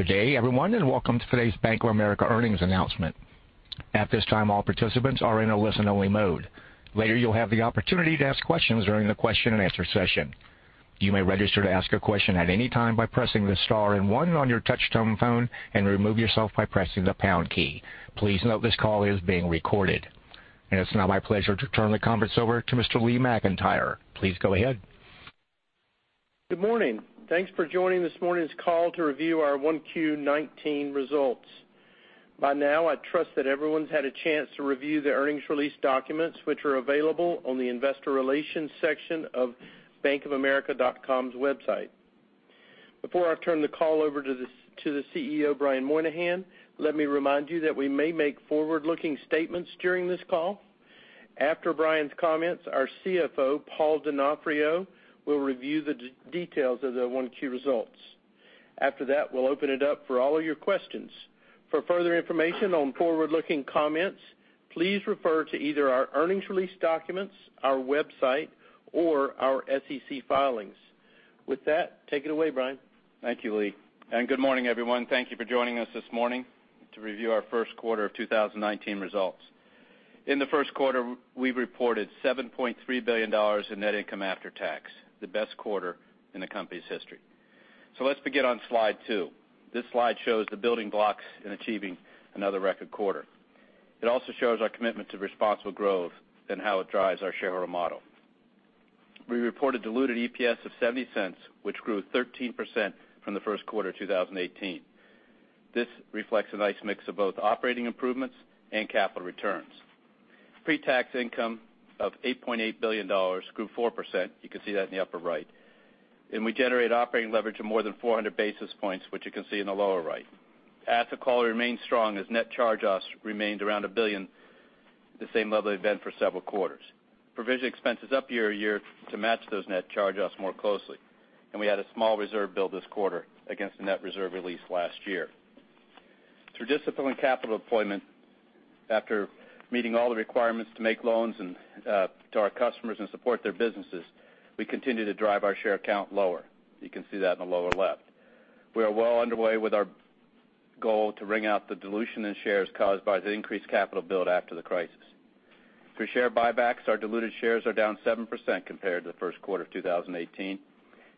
Good day everyone, welcome to today's Bank of America earnings announcement. At this time, all participants are in a listen-only mode. Later, you'll have the opportunity to ask questions during the question-and-answer session. You may register to ask a question at any time by pressing the star and one on your touch-tone phone, and remove yourself by pressing the pound key. Please note this call is being recorded. It's now my pleasure to turn the conference over to Mr. Lee McEntire. Please go ahead. Good morning. Thanks for joining this morning's call to review our 1Q19 results. By now, I trust that everyone's had a chance to review the earnings release documents which are available on the investor relations section of bankofamerica.com website. Before I turn the call over to the CEO Brian Moynihan, let me remind you that we may make forward-looking statements during this call. After Brian's comments, our CFO Paul Donofrio will review the details of the 1Q results. After that, we'll open it up for all of your questions. For further information on forward-looking comments, please refer to either our earnings release documents, our website, or our SEC filings. With that, take it away, Brian. Thank you, Lee. Good morning, everyone. Thank you for joining us this morning to review our first quarter of 2019 results. In the first quarter, we've reported $7.3 billion in net income after tax, the best quarter in the company's history. Let's begin on slide two. This slide shows the building blocks in achieving another record quarter. It also shows our commitment to responsible growth and how it drives our shareholder model. We reported diluted EPS of $0.70, which grew 13% from the first quarter 2018. This reflects a nice mix of both operating improvements and capital returns. Pre-tax income of $8.8 billion grew 4%. You can see that in the upper right. We generated operating leverage of more than 400 basis points, which you can see in the lower right. Asset quality remained strong as net charge-offs remained around $1 billion, the same level they've been for several quarters. Provision expense is up year-over-year to match those net charge-offs more closely. We had a small reserve build this quarter against the net reserve release last year. Through disciplined capital deployment, after meeting all the requirements to make loans to our customers and support their businesses, we continue to drive our share count lower. You can see that in the lower left. We are well underway with our goal to wring out the dilution in shares caused by the increased capital build after the crisis. Through share buybacks, our diluted shares are down 7% compared to the first quarter of 2018,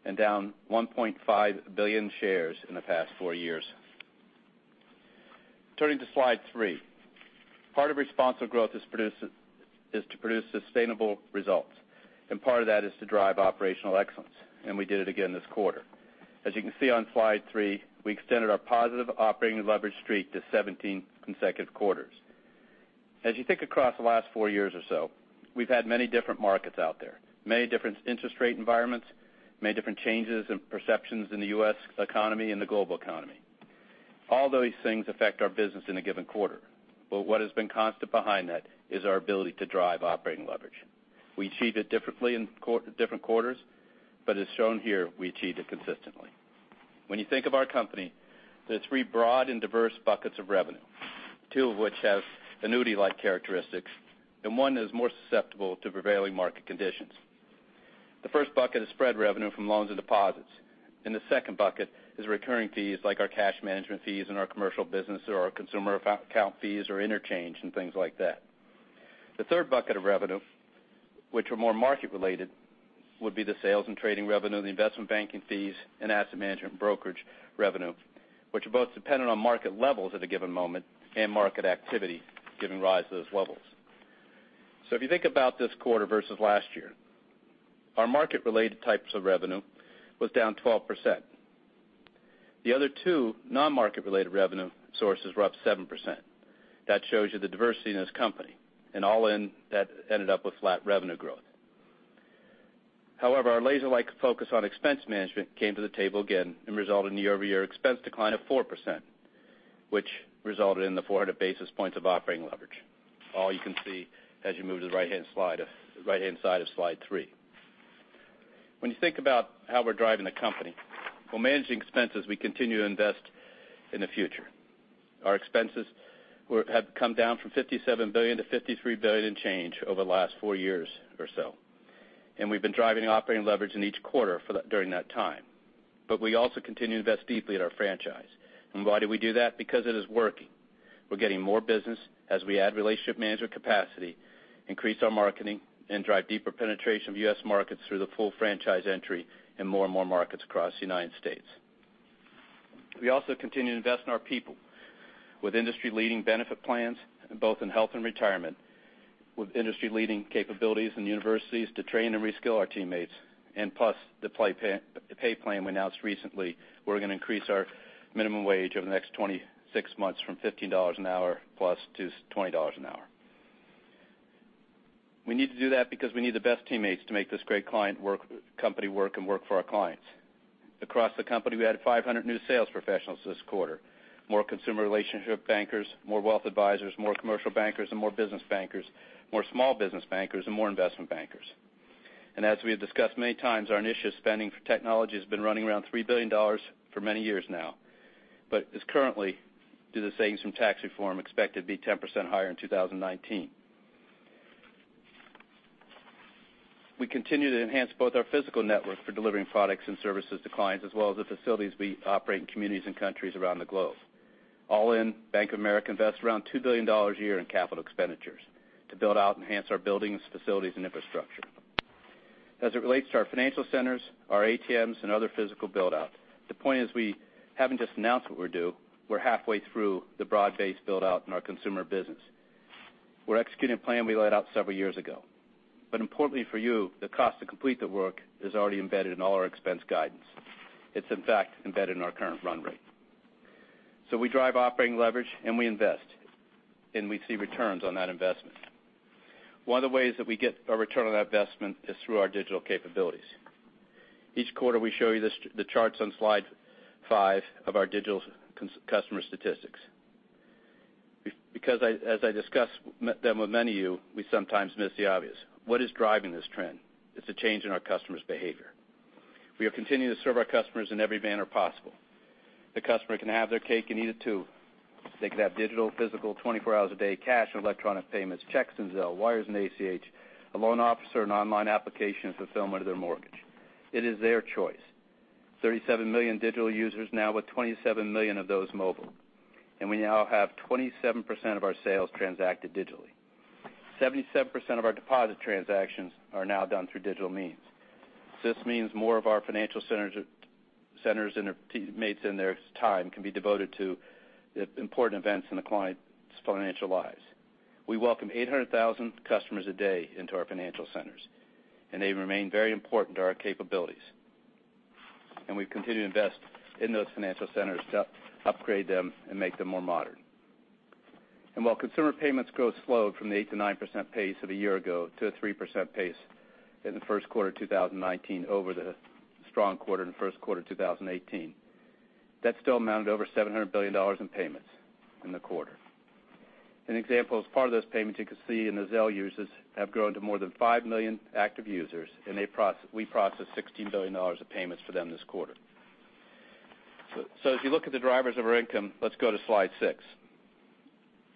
and down 1.5 billion shares in the past four years. Turning to slide three. Part of responsible growth is to produce sustainable results, and part of that is to drive operational excellence. We did it again this quarter. As you can see on slide three, we extended our positive operating leverage streak to 17 consecutive quarters. As you think across the last four years or so, we've had many different markets out there, many different interest rate environments, many different changes in perceptions in the U.S. economy and the global economy. All those things affect our business in a given quarter. What has been constant behind that is our ability to drive operating leverage. We achieve it differently in different quarters, but as shown here, we achieve it consistently. When you think of our company, there are three broad and diverse buckets of revenue, two of which have annuity-like characteristics, and one is more susceptible to prevailing market conditions. The first bucket is spread revenue from loans and deposits. The second bucket is recurring fees like our cash management fees in our commercial business or our consumer account fees or interchange and things like that. The third bucket of revenue, which are more market related, would be the sales and trading revenue, the investment banking fees, and asset management brokerage revenue, which are both dependent on market levels at a given moment and market activity giving rise to those levels. If you think about this quarter versus last year, our market-related types of revenue was down 12%. The other two non-market-related revenue sources were up 7%. That shows you the diversity in this company. All in, that ended up with flat revenue growth. However, our laser-like focus on expense management came to the table again and resulted in year-over-year expense decline of 4%, which resulted in the 400 basis points of operating leverage. All you can see as you move to the right-hand side of slide three. When you think about how we're driving the company, while managing expenses, we continue to invest in the future. Our expenses have come down from $57 billion to $53 billion and change over the last four years or so. We've been driving operating leverage in each quarter during that time. We also continue to invest deeply in our franchise. Why do we do that? Because it is working. We're getting more business as we add relationship management capacity, increase our marketing, and drive deeper penetration of U.S. markets through the full franchise entry in more and more markets across the United States. We also continue to invest in our people with industry-leading benefit plans, both in health and retirement, with industry-leading capabilities in universities to train and reskill our teammates, plus the pay plan we announced recently. We're going to increase our minimum wage over the next 26 months from $15 an hour plus to $20 an hour. We need to do that because we need the best teammates to make this great company work and work for our clients. Across the company, we added 500 new sales professionals this quarter. More consumer relationship bankers, more wealth advisors, more commercial bankers, more business bankers, more small business bankers, and more investment bankers. As we have discussed many times, our initial spending for technology has been running around $3 billion for many years now. It's currently, due to savings from tax reform, expected to be 10% higher in 2019. We continue to enhance both our physical network for delivering products and services to clients, as well as the facilities we operate in communities and countries around the globe. All in, Bank of America invests around $2 billion a year in capital expenditures to build out and enhance our buildings, facilities, and infrastructure. As it relates to our financial centers, our ATMs, and other physical build-out, the point is we haven't just announced what we're due, we're halfway through the broad-based build-out in our consumer business. We're executing a plan we laid out several years ago. Importantly for you, the cost to complete the work is already embedded in all our expense guidance. It's in fact embedded in our current run rate. We drive operating leverage, and we invest, and we see returns on that investment. One of the ways that we get a return on that investment is through our digital capabilities. Each quarter, we show you the charts on slide five of our digital customer statistics. Because as I discuss them with many of you, we sometimes miss the obvious. What is driving this trend? It's a change in our customers' behavior. We are continuing to serve our customers in every manner possible. The customer can have their cake and eat it too. They can have digital, physical, 24 hours a day cash and electronic payments, checks and Zelle, wires and ACH, a loan officer, an online application, and fulfillment of their mortgage. It is their choice. 37 million digital users now, with 27 million of those mobile. We now have 27% of our sales transacted digitally. 77% of our deposit transactions are now done through digital means. This means more of our financial centers' mates and their time can be devoted to important events in the clients' financial lives. We welcome 800,000 customers a day into our financial centers, they remain very important to our capabilities. We've continued to invest in those financial centers to upgrade them and make them more modern. While consumer payments growth slowed from the 8%-9% pace of a year ago to a 3% pace in the first quarter of 2019 over the strong quarter in the first quarter of 2018, that still amounted to over $700 billion in payments in the quarter. An example, as part of those payments, you can see in the Zelle users have grown to more than 5 million active users, and we processed $16 billion of payments for them this quarter. If you look at the drivers of our income, let's go to slide six.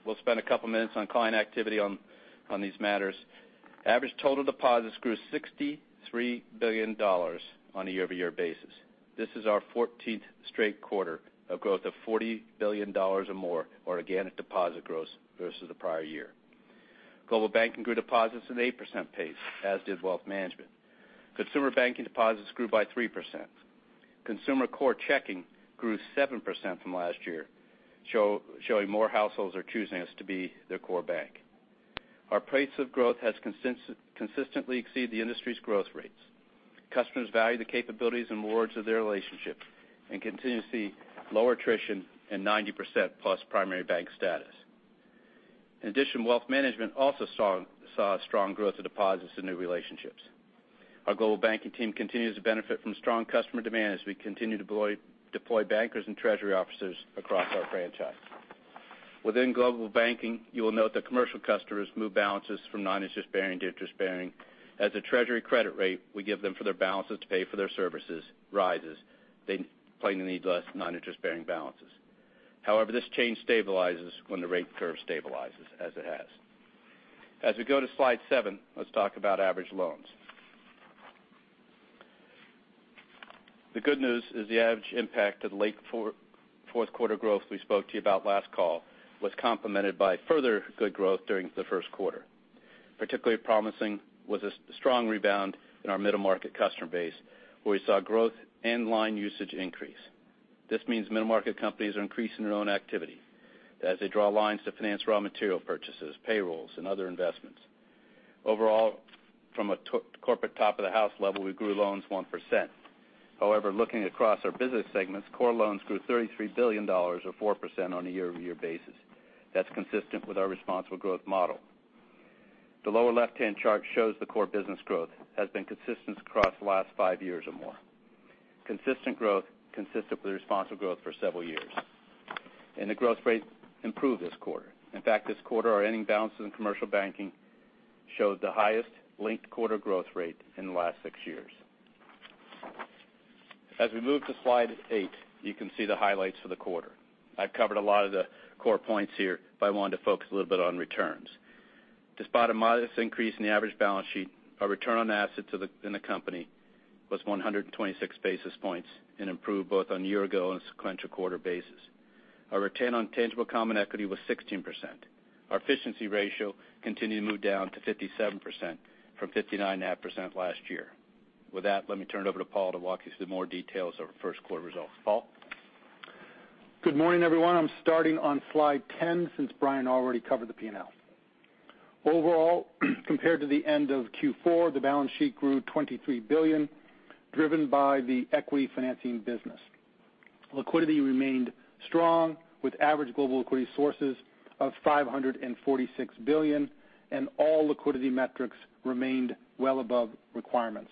We'll spend a couple minutes on client activity on these matters. Average total deposits grew $63 billion on a year-over-year basis. This is our 14th straight quarter of growth of $40 billion or more, or again, a deposit growth versus the prior year. Global Banking grew deposits at an 8% pace, as did Wealth Management. Consumer Banking deposits grew by 3%. Consumer core checking grew 7% from last year, showing more households are choosing us to be their core bank. Our pace of growth has consistently exceeded the industry's growth rates. Customers value the capabilities and rewards of their relationship and continue to see low attrition and 90%-plus primary bank status. In addition, Wealth Management also saw strong growth of deposits and new relationships. Our Global Banking team continues to benefit from strong customer demand as we continue to deploy bankers and treasury officers across our franchise. Within Global Banking, you will note that commercial customers move balances from non-interest-bearing to interest-bearing. As a treasury credit rate we give them for their balances to pay for their services rises, they plainly need less non-interest-bearing balances. However, this change stabilizes when the rate curve stabilizes as it has. As we go to slide seven, let's talk about average loans. The good news is the average impact of late fourth quarter growth we spoke to you about last call was complemented by further good growth during the first quarter. Particularly promising was a strong rebound in our middle market customer base, where we saw growth and line usage increase. This means middle market companies are increasing their own activity as they draw lines to finance raw material purchases, payrolls, and other investments. Overall, from a corporate top-of-the-house level, we grew loans 1%. However, looking across our business segments, core loans grew $33 billion, or 4%, on a year-over-year basis. That's consistent with our responsible growth model. The lower left-hand chart shows the core business growth has been consistent across the last five years or more. Consistent growth, consistent with responsible growth for several years. The growth rate improved this quarter. In fact, this quarter, our ending balances in commercial banking showed the highest linked quarter growth rate in the last six years. As we move to slide eight, you can see the highlights for the quarter. I've covered a lot of the core points here, but I wanted to focus a little bit on returns. Despite a modest increase in the average balance sheet, our return on assets in the company was 126 basis points and improved both on year-ago and sequential quarter basis. Our return on tangible common equity was 16%. Our efficiency ratio continued to move down to 57% from 59 and a half% last year. With that, let me turn it over to Paul to walk you through more details of our first quarter results. Paul? Good morning, everyone. I'm starting on slide 10 since Brian already covered the P&L. Overall, compared to the end of Q4, the balance sheet grew $23 billion, driven by the equity financing business. Liquidity remained strong, with average global liquidity sources of $546 billion, and all liquidity metrics remained well above requirements.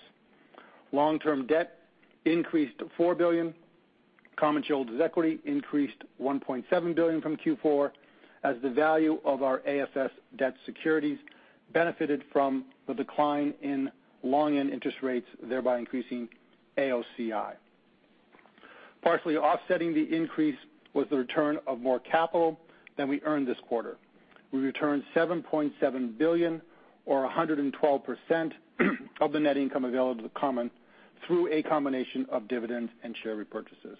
Long-term debt increased to $4 billion. Common shareholders' equity increased $1.7 billion from Q4 as the value of our AFS debt securities benefited from the decline in long-end interest rates, thereby increasing AOCI. Partially offsetting the increase was the return of more capital than we earned this quarter. We returned $7.7 billion, or 112%, of the net income available to common through a combination of dividends and share repurchases.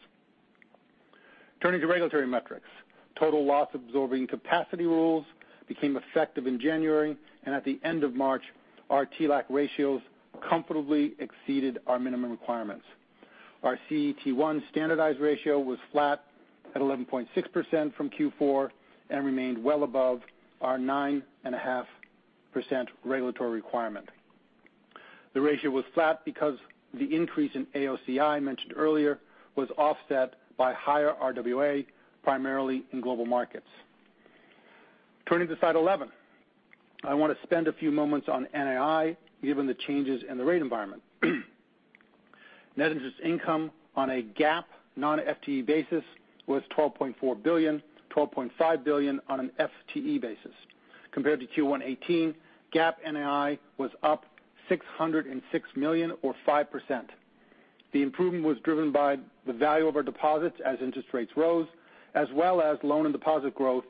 Turning to regulatory metrics. Total loss absorbing capacity rules became effective in January, and at the end of March, our TLAC ratios comfortably exceeded our minimum requirements. Our CET1 standardized ratio was flat at 11.6% from Q4 and remained well above our 9.5% regulatory requirement. The ratio was flat because the increase in AOCI, mentioned earlier, was offset by higher RWA, primarily in Global Markets. Turning to slide 11. I want to spend a few moments on NII, given the changes in the rate environment. Net interest income on a GAAP, non-FTE basis was $12.4 billion, $12.5 billion on an FTE basis. Compared to Q1 2018, GAAP NII was up $606 million, or 5%. The improvement was driven by the value of our deposits as interest rates rose, as well as loan and deposit growth,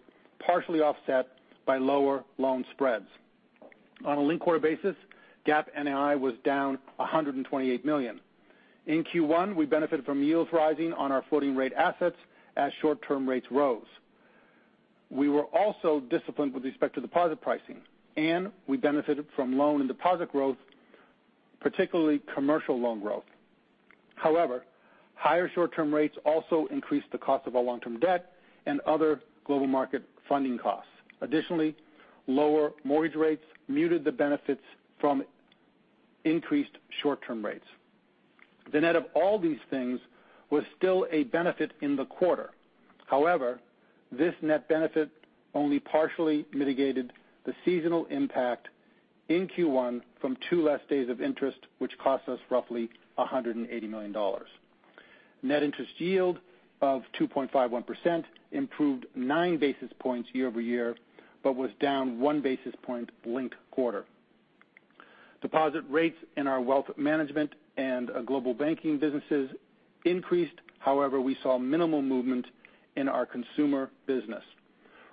partially offset by lower loan spreads. On a linked-quarter basis, GAAP NII was down $128 million. In Q1, we benefited from yields rising on our floating rate assets as short-term rates rose. We were also disciplined with respect to deposit pricing. We benefited from loan and deposit growth, particularly commercial loan growth. Higher short-term rates also increased the cost of our long-term debt and other Global Markets funding costs. Lower mortgage rates muted the benefits from increased short-term rates. The net of all these things was still a benefit in the quarter. This net benefit only partially mitigated the seasonal impact in Q1 from two less days of interest, which cost us roughly $180 million. Net interest yield of 2.51% improved nine basis points year-over-year, but was down one basis point linked-quarter. Deposit rates in our wealth management and Global Banking businesses increased. We saw minimal movement in our Consumer Banking business.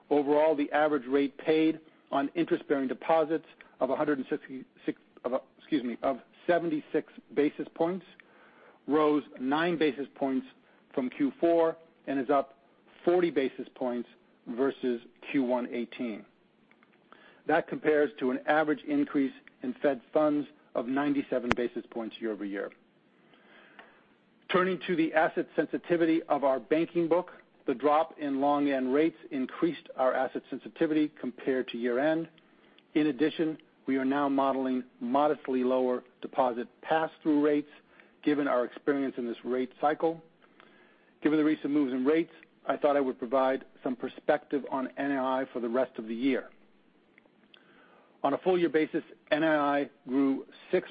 Overall, the average rate paid on interest-bearing deposits of 76 basis points rose nine basis points from Q4 and is up 40 basis points versus Q1 2018. That compares to an average increase in Fed Funds of 97 basis points year-over-year. Turning to the asset sensitivity of our banking book, the drop in long end rates increased our asset sensitivity compared to year end. We are now modeling modestly lower deposit pass-through rates given our experience in this rate cycle. I thought I would provide some perspective on NII for the rest of the year. On a full-year basis, NII grew 6%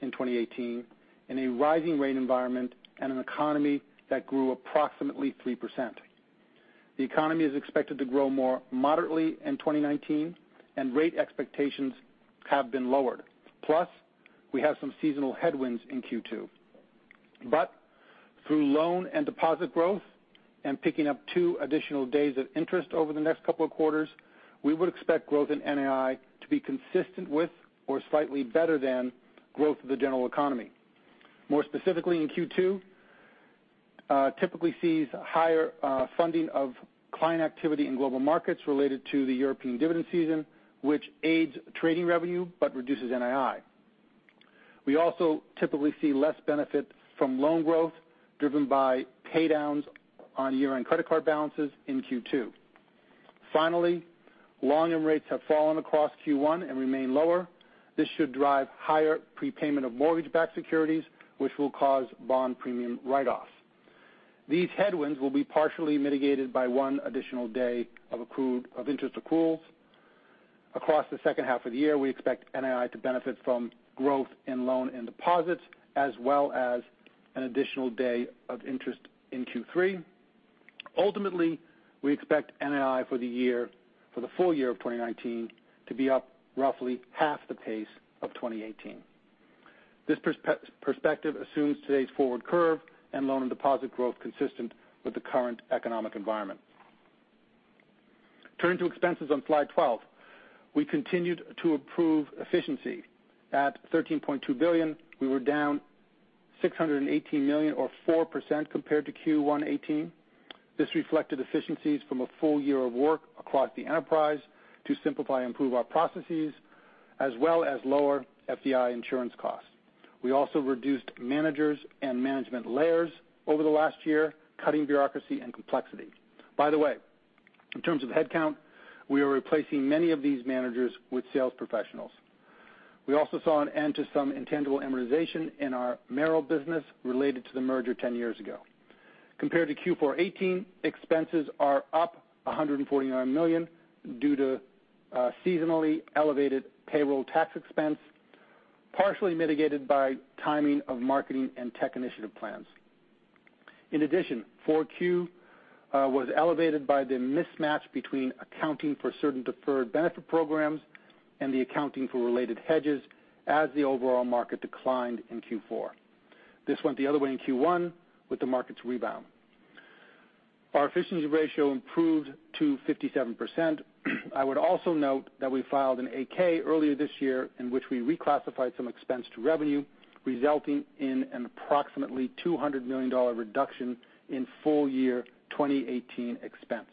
in 2018 in a rising rate environment and an economy that grew approximately 3%. The economy is expected to grow more moderately in 2019. We have some seasonal headwinds in Q2. Through loan and deposit growth and picking up two additional days of interest over the next couple of quarters, we would expect growth in NII to be consistent with or slightly better than growth of the general economy. More specifically in Q2, typically sees higher funding of client activity in Global Markets related to the European dividend season, which aids trading revenue but reduces NII. We also typically see less benefit from loan growth driven by pay-downs on year-end credit card balances in Q2. Long end rates have fallen across Q1 and remain lower. This should drive higher prepayment of mortgage-backed securities, which will cause bond premium write-offs. These headwinds will be partially mitigated by one additional day of interest accruals. Across the second half of the year, we expect NII to benefit from growth in loan and deposits, as well as an additional day of interest in Q3. Ultimately, we expect NII for the full year of 2019 to be up roughly half the pace of 2018. This perspective assumes today's forward curve and loan and deposit growth consistent with the current economic environment. Turning to expenses on slide 12. We continued to improve efficiency. At $13.2 billion, we were down $618 million, or 4%, compared to Q1 2018. This reflected efficiencies from a full year of work across the enterprise to simplify and improve our processes, as well as lower FDIC insurance costs. We also reduced managers and management layers over the last year, cutting bureaucracy and complexity. By the way, in terms of headcount, we are replacing many of these managers with sales professionals. We also saw an end to some intangible amortization in our Merrill business related to the merger 10 years ago. Compared to Q4 2018, expenses are up $149 million due to seasonally elevated payroll tax expense, partially mitigated by timing of marketing and tech initiative plans. Q4 was elevated by the mismatch between accounting for certain deferred benefit programs and the accounting for related hedges as the overall market declined in Q4. This went the other way in Q1 with the market's rebound. Our efficiency ratio improved to 57%. I would also note that we filed an 8-K earlier this year in which we reclassified some expense to revenue, resulting in an approximately $200 million reduction in full year 2018 expense.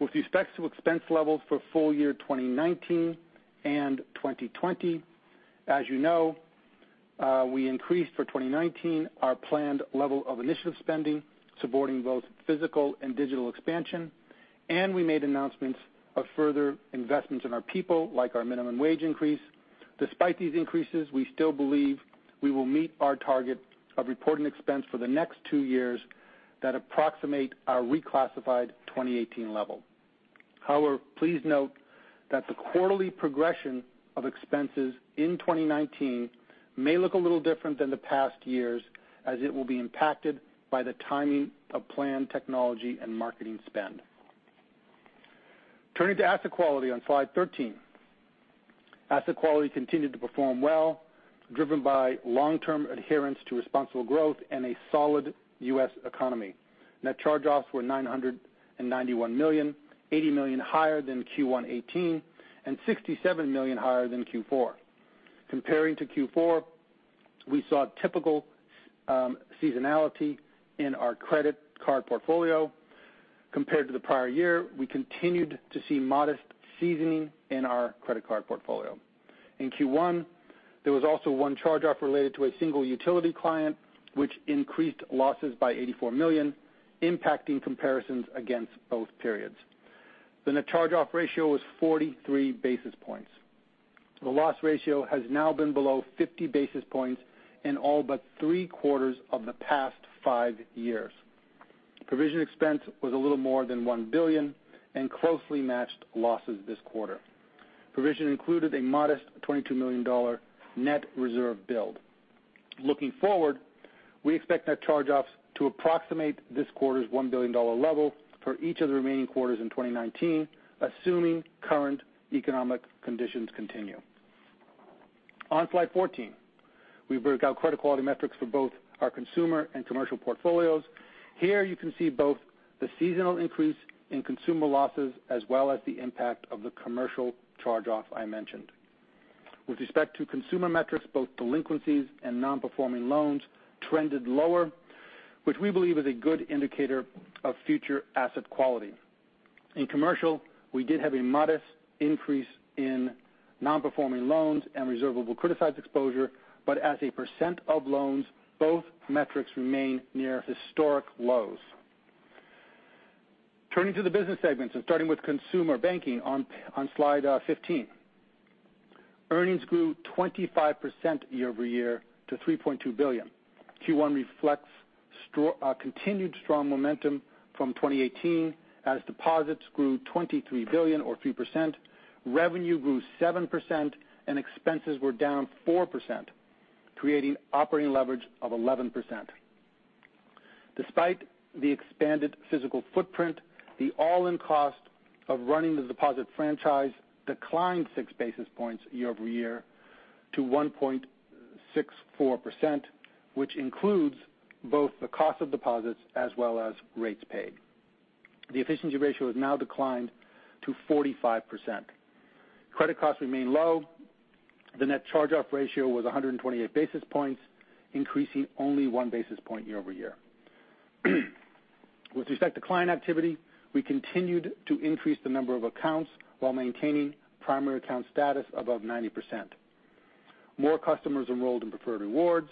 With respect to expense levels for full year 2019 and 2020, as you know, we increased for 2019 our planned level of initiative spending supporting both physical and digital expansion. We made announcements of further investments in our people, like our minimum wage increase. Despite these increases, we still believe we will meet our target of reporting expense for the next two years that approximate our reclassified 2018 level. Please note that the quarterly progression of expenses in 2019 may look a little different than the past years, as it will be impacted by the timing of planned technology and marketing spend. Turning to asset quality on slide 13. Asset quality continued to perform well, driven by long-term adherence to responsible growth and a solid U.S. economy. Net charge-offs were $991 million, $80 million higher than Q1 2018, and $67 million higher than Q4. Comparing to Q4, we saw typical seasonality in our credit card portfolio. Compared to the prior year, we continued to see modest seasoning in our credit card portfolio. Q1, there was also one charge-off related to a single utility client, which increased losses by $84 million, impacting comparisons against both periods. The net charge-off ratio was 43 basis points. The loss ratio has now been below 50 basis points in all but three quarters of the past five years. Provision expense was a little more than $1 billion and closely matched losses this quarter. Provision included a modest $22 million net reserve build. We expect net charge-offs to approximate this quarter's $1 billion level for each of the remaining quarters in 2019, assuming current economic conditions continue. On slide 14, we break out credit quality metrics for both our consumer and commercial portfolios. Here you can see both the seasonal increase in consumer losses as well as the impact of the commercial charge-off I mentioned. With respect to consumer metrics, both delinquencies and non-performing loans trended lower, which we believe is a good indicator of future asset quality. In commercial, we did have a modest increase in non-performing loans and reservable criticized exposure, but as a percent of loans, both metrics remain near historic lows. Turning to the business segments and starting with Consumer Banking on slide 15. Earnings grew 25% year-over-year to $3.2 billion. Q1 reflects continued strong momentum from 2018 as deposits grew $23 billion or 3%, revenue grew 7%, and expenses were down 4%, creating operating leverage of 11%. Despite the expanded physical footprint, the all-in cost of running the deposit franchise declined six basis points year-over-year to 1.64%, which includes both the cost of deposits as well as rates paid. The efficiency ratio has now declined to 45%. Credit costs remain low. The net charge-off ratio was 128 basis points, increasing only one basis point year-over-year. With respect to client activity, we continued to increase the number of accounts while maintaining primary account status above 90%. More customers enrolled in Preferred Rewards.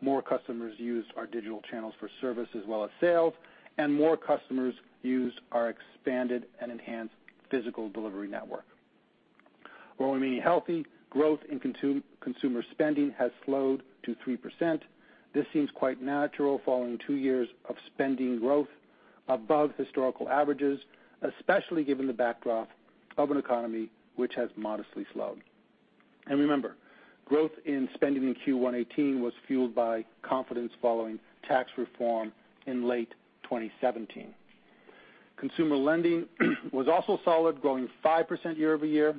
More customers used our digital channels for service as well as sales, and more customers used our expanded and enhanced physical delivery network. While remaining healthy, growth in consumer spending has slowed to 3%. This seems quite natural following two years of spending growth above historical averages, especially given the backdrop of an economy which has modestly slowed. Remember, growth in spending in Q1 2018 was fueled by confidence following tax reform in late 2017. Consumer lending was also solid, growing 5% year-over-year.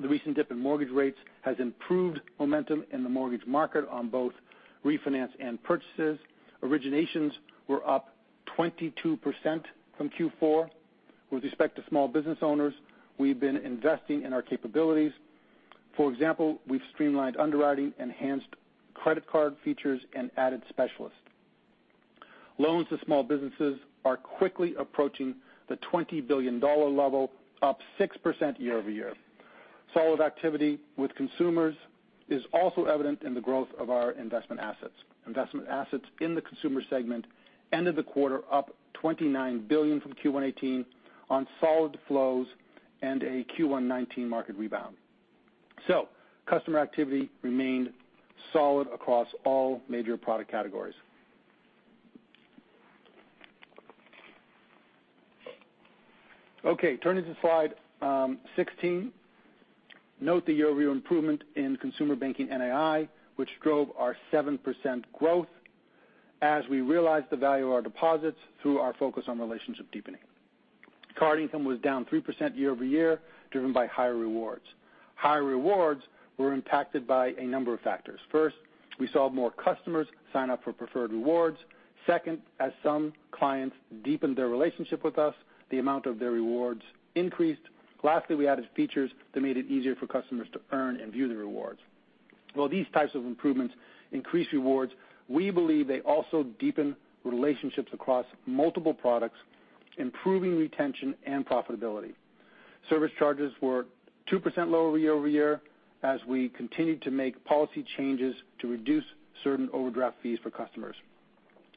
The recent dip in mortgage rates has improved momentum in the mortgage market on both refinance and purchases. Originations were up 22% from Q4. With respect to small business owners, we've been investing in our capabilities. For example, we've streamlined underwriting, enhanced credit card features, and added specialists. Loans to small businesses are quickly approaching the $20 billion level, up 6% year-over-year. Solid activity with consumers is also evident in the growth of our investment assets. Investment assets in the consumer segment ended the quarter up $29 billion from Q1 2018 on solid flows and a Q1 2019 market rebound. Customer activity remained solid across all major product categories. Okay. Turning to slide 16, note the year-over-year improvement in Consumer Banking NII, which drove our 7% growth as we realized the value of our deposits through our focus on relationship deepening. Card income was down 3% year-over-year, driven by higher rewards. Higher rewards were impacted by a number of factors. First, we saw more customers sign up for Preferred Rewards. Second, as some clients deepened their relationship with us, the amount of their rewards increased. Lastly, we added features that made it easier for customers to earn and view the rewards. While these types of improvements increase rewards, we believe they also deepen relationships across multiple products, improving retention and profitability. Service charges were 2% lower year-over-year as we continued to make policy changes to reduce certain overdraft fees for customers.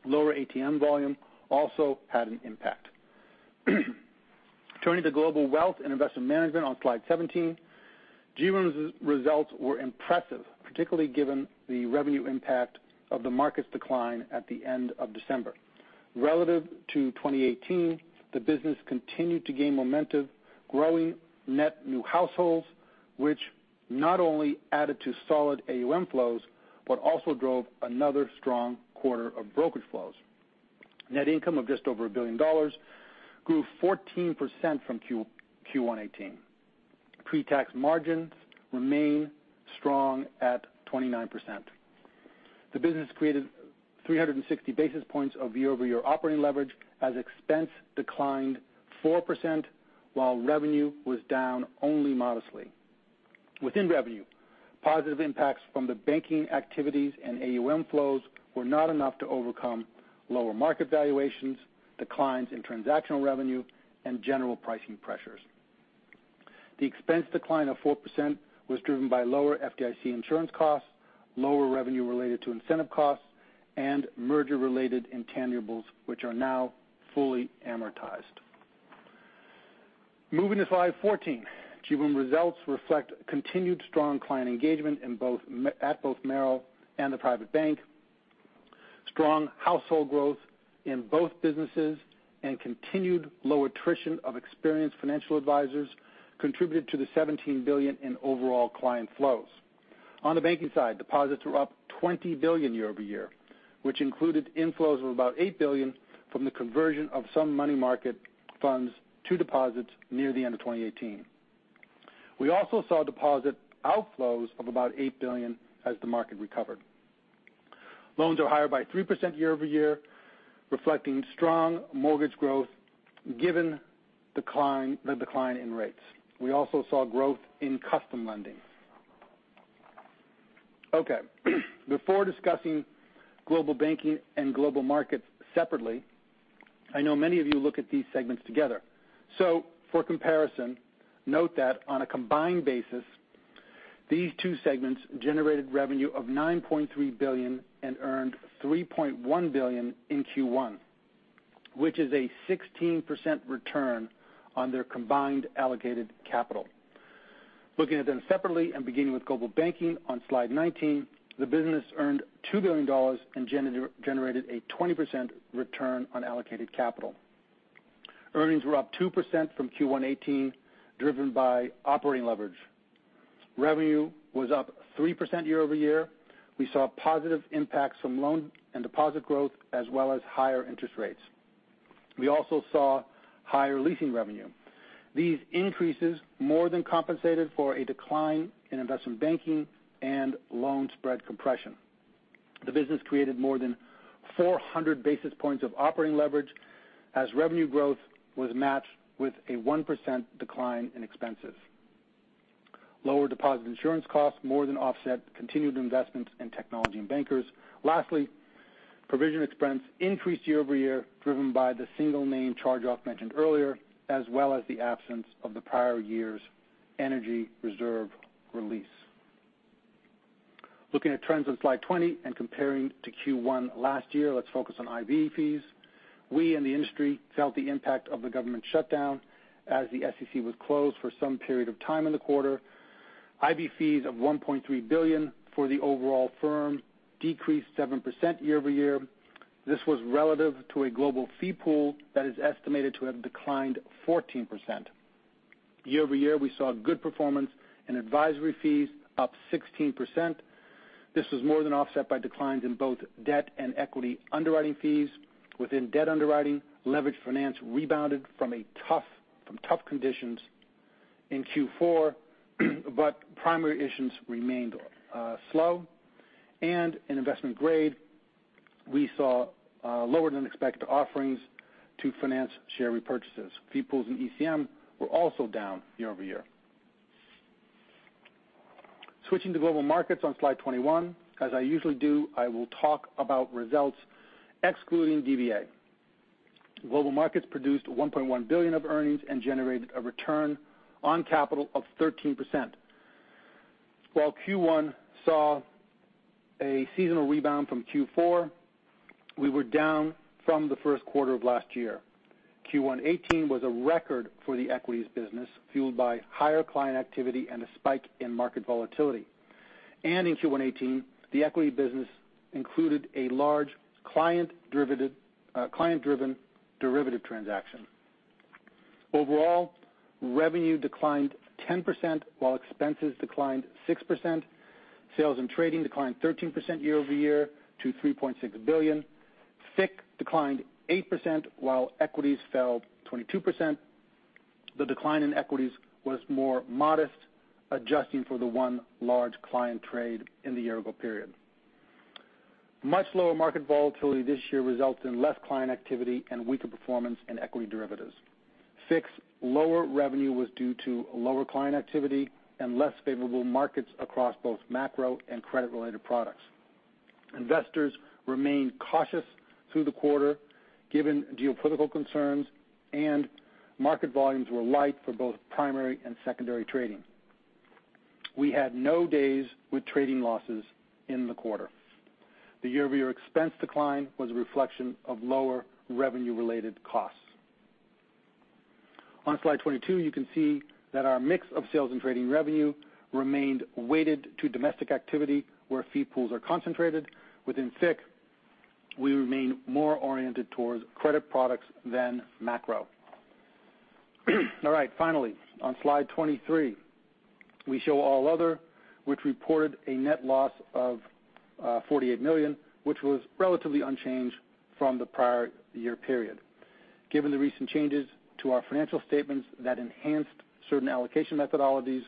Lower ATM volume also had an impact. Turning to Global Wealth and Investment Management on slide 17. GWIM's results were impressive, particularly given the revenue impact of the market's decline at the end of December. Relative to 2018, the business continued to gain momentum, growing net new households, which not only added to solid AUM flows, but also drove another strong quarter of brokerage flows. Net income of just over $1 billion grew 14% from Q1 2018. Pre-tax margins remain strong at 29%. The business created 360 basis points of year-over-year operating leverage as expense declined 4%, while revenue was down only modestly. Within revenue, positive impacts from the banking activities and AUM flows were not enough to overcome lower market valuations, declines in transactional revenue, and general pricing pressures. The expense decline of 4% was driven by lower FDIC insurance costs, lower revenue related to incentive costs, and merger-related intangibles, which are now fully amortized. Moving to slide 14. GWIM results reflect continued strong client engagement at both Merrill and the Private Bank. Strong household growth in both businesses and continued low attrition of experienced financial advisors contributed to the $17 billion in overall client flows. On the banking side, deposits were up $20 billion year-over-year, which included inflows of about $8 billion from the conversion of some money market funds to deposits near the end of 2018. We also saw deposit outflows of about $8 billion as the market recovered. Loans are higher by 3% year-over-year, reflecting strong mortgage growth given the decline in rates. We also saw growth in custom lending. Okay. Before discussing Global Banking and Global Markets separately, I know many of you look at these segments together. For comparison, note that on a combined basis, these two segments generated revenue of $9.3 billion and earned $3.1 billion in Q1, which is a 16% return on their combined allocated capital. Looking at them separately and beginning with Global Banking on slide 19, the business earned $2 billion and generated a 20% return on allocated capital. Earnings were up 2% from Q1 2018, driven by operating leverage. Revenue was up 3% year-over-year. We saw positive impacts from loan and deposit growth as well as higher interest rates. We also saw higher leasing revenue. These increases more than compensated for a decline in investment banking and loan spread compression. The business created more than 400 basis points of operating leverage as revenue growth was matched with a 1% decline in expenses. Lower deposit insurance costs more than offset continued investments in technology and bankers. Lastly, provision expense increased year-over-year, driven by the single name charge-off mentioned earlier, as well as the absence of the prior year's energy reserve release. Looking at trends on slide 20 and comparing to Q1 last year, let's focus on IB fees. We in the industry felt the impact of the government shutdown as the SEC was closed for some period of time in the quarter. IB fees of $1.3 billion for the overall firm decreased 7% year-over-year. This was relative to a global fee pool that is estimated to have declined 14%. Year-over-year, we saw good performance in advisory fees, up 16%. This was more than offset by declines in both debt and equity underwriting fees. Within debt underwriting, leveraged finance rebounded from tough conditions in Q4, but primary issuance remained slow. In investment grade, we saw lower than expected offerings to finance share repurchases. Fee pools in ECM were also down year-over-year. Switching to Global Markets on slide 21. As I usually do, I will talk about results excluding DVA. Global Markets produced $1.1 billion of earnings and generated a return on capital of 13%. While Q1 saw a seasonal rebound from Q4, we were down from the first quarter of last year. Q1 2018 was a record for the equities business, fueled by higher client activity and a spike in market volatility. In Q1 2018, the equity business included a large client-driven derivative transaction. Overall, revenue declined 10%, while expenses declined 6%. Sales and trading declined 13% year-over-year to $3.6 billion. FICC declined 8%, while equities fell 22%. The decline in equities was more modest, adjusting for the one large client trade in the year-ago period. Much lower market volatility this year results in less client activity and weaker performance in equity derivatives. FICC's lower revenue was due to lower client activity and less favorable markets across both macro and credit-related products. Investors remained cautious through the quarter, given geopolitical concerns, and market volumes were light for both primary and secondary trading. We had no days with trading losses in the quarter. The year-over-year expense decline was a reflection of lower revenue-related costs. On slide 22, you can see that our mix of sales and trading revenue remained weighted to domestic activity where fee pools are concentrated. Within FICC, we remain more oriented towards credit products than macro. All right. Finally, on slide 23, we show all other which reported a net loss of $48 million, which was relatively unchanged from the prior year period. Given the recent changes to our financial statements that enhanced certain allocation methodologies,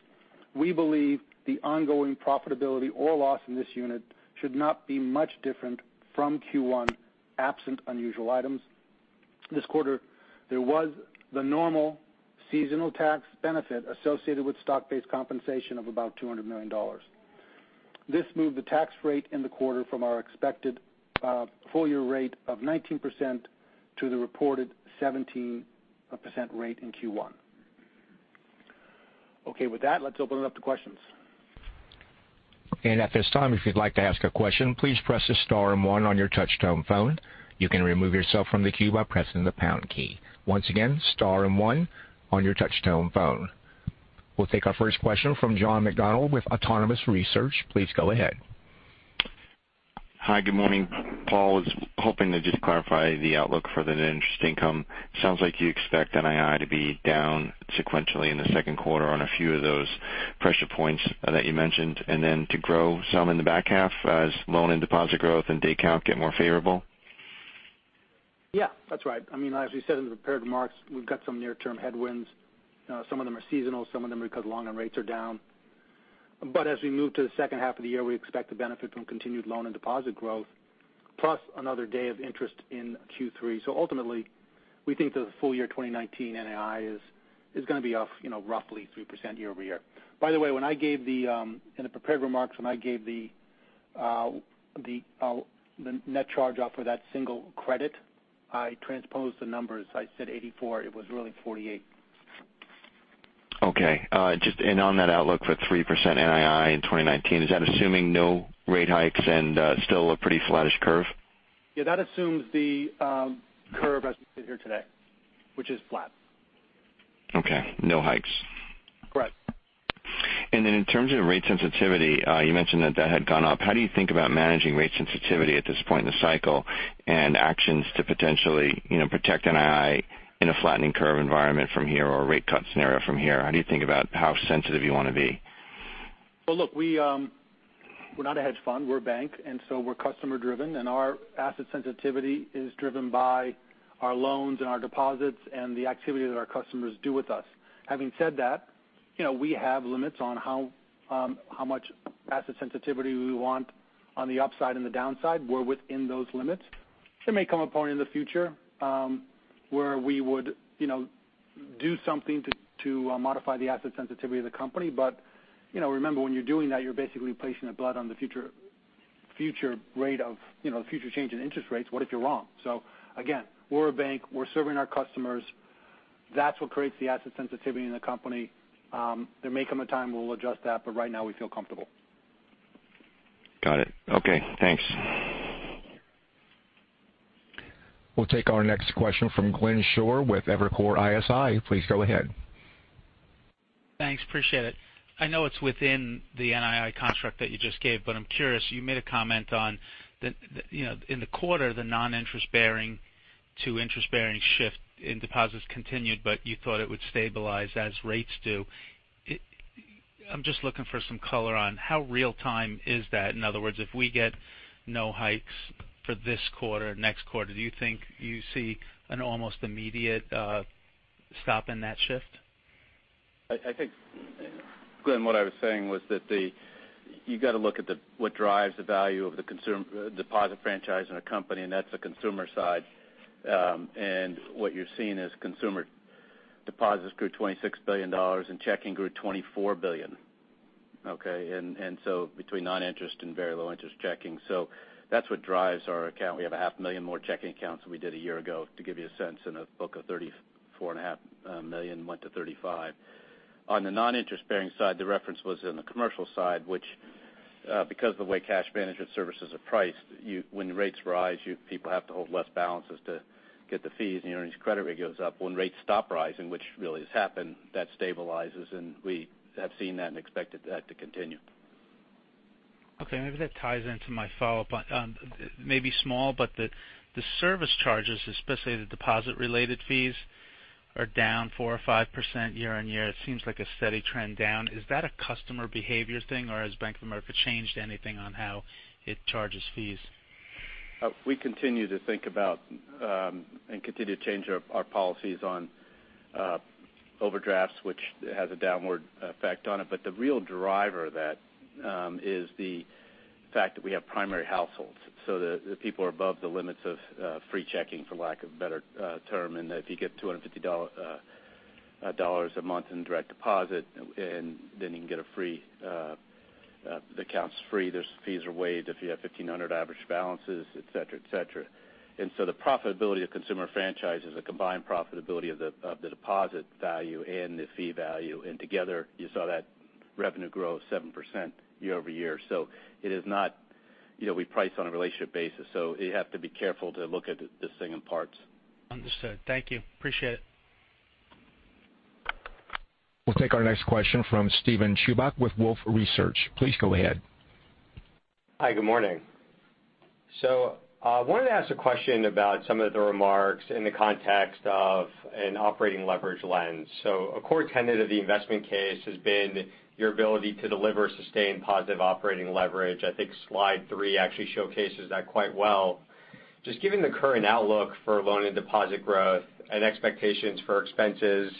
we believe the ongoing profitability or loss in this unit should not be much different from Q1 absent unusual items. This quarter, there was the normal seasonal tax benefit associated with stock-based compensation of about $200 million. This moved the tax rate in the quarter from our expected full-year rate of 19% to the reported 17% rate in Q1. Okay. With that, let's open it up to questions. At this time, if you'd like to ask a question, please press star and one on your touch-tone phone. You can remove yourself from the queue by pressing the pound key. Once again, star and one on your touch-tone phone. We'll take our first question from John McDonald with Autonomous Research. Please go ahead. Hi, good morning, Paul. Was hoping to just clarify the outlook for the net interest income. Sounds like you expect NII to be down sequentially in the second quarter on a few of those pressure points that you mentioned, and then to grow some in the back half as loan and deposit growth and day count get more favorable? Yeah, that's right. As we said in the prepared remarks, we've got some near-term headwinds. Some of them are seasonal, some of them are because long-term rates are down. As we move to the second half of the year, we expect to benefit from continued loan and deposit growth, plus another day of interest in Q3. Ultimately, we think the full-year 2019 NII is going to be off roughly 3% year-over-year. By the way, in the prepared remarks when I gave the net charge-off for that single credit, I transposed the numbers. I said 84, it was really 48. Okay. Just in on that outlook for 3% NII in 2019, is that assuming no rate hikes and still a pretty flattish curve? Yeah, that assumes the curve as we sit here today, which is flat. Okay. No hikes. Correct. In terms of rate sensitivity, you mentioned that that had gone up. How do you think about managing rate sensitivity at this point in the cycle and actions to potentially protect NII in a flattening curve environment from here or a rate cut scenario from here? How do you think about how sensitive you want to be? Well, look, we're not a hedge fund, we're a bank, and so we're customer driven, and our asset sensitivity is driven by our loans and our deposits and the activity that our customers do with us. Having said that, we have limits on how much asset sensitivity we want on the upside and the downside. We're within those limits. There may come a point in the future where we would do something to modify the asset sensitivity of the company. Remember, when you're doing that, you're basically placing a bet on the future change in interest rates. What if you're wrong? Again, we're a bank. We're serving our customers. That's what creates the asset sensitivity in the company. There may come a time we'll adjust that, but right now we feel comfortable. Got it. Okay. Thanks. We'll take our next question from Glenn Schorr with Evercore ISI. Please go ahead. Thanks. Appreciate it. I know it's within the NII construct that you just gave, but I'm curious. You made a comment on, in the quarter, the non-interest bearing to interest-bearing shift in deposits continued, but you thought it would stabilize as rates do. I'm just looking for some color on how real time is that? In other words, if we get no hikes for this quarter, next quarter, do you think you see an almost immediate stop in that shift? I think, Glenn, what I was saying was that you got to look at what drives the value of the deposit franchise in a company, and that's the consumer side. What you're seeing is consumer deposits grew $26 billion and checking grew $24 billion. Okay? Between non-interest and very low interest checking. That's what drives our account. We have a half million more checking accounts than we did a year ago, to give you a sense in a book of 34.5 million went to 35. On the non-interest bearing side, the reference was in the commercial side, which because of the way cash management services are priced, when rates rise, people have to hold less balances to get the fees, and the earnings credit rate goes up. When rates stop rising, which really has happened, that stabilizes, we have seen that and expected that to continue. Okay, maybe that ties into my follow-up. It may be small, but the service charges, especially the deposit-related fees, are down 4% or 5% year-over-year. It seems like a steady trend down. Is that a customer behavior thing, or has Bank of America changed anything on how it charges fees? We continue to think about and continue to change our policies on overdrafts, which has a downward effect on it. The real driver of that is the fact that we have primary households. The people are above the limits of free checking, for lack of a better term. If you get $250 a month in direct deposit, then the account's free. There's fees waived if you have 1,500 average balances, et cetera. The profitability of Consumer Banking franchise is a combined profitability of the deposit value and the fee value. Together, you saw that revenue grow 7% year-over-year. We price on a relationship basis. You have to be careful to look at this thing in parts. Understood. Thank you. Appreciate it. We'll take our next question from Steven Chubak with Wolfe Research. Please go ahead. Hi, good morning. I wanted to ask a question about some of the remarks in the context of an operating leverage lens. A core tenet of the investment case has been your ability to deliver sustained positive operating leverage. I think slide three actually showcases that quite well. Just given the current outlook for loan and deposit growth and expectations for expenses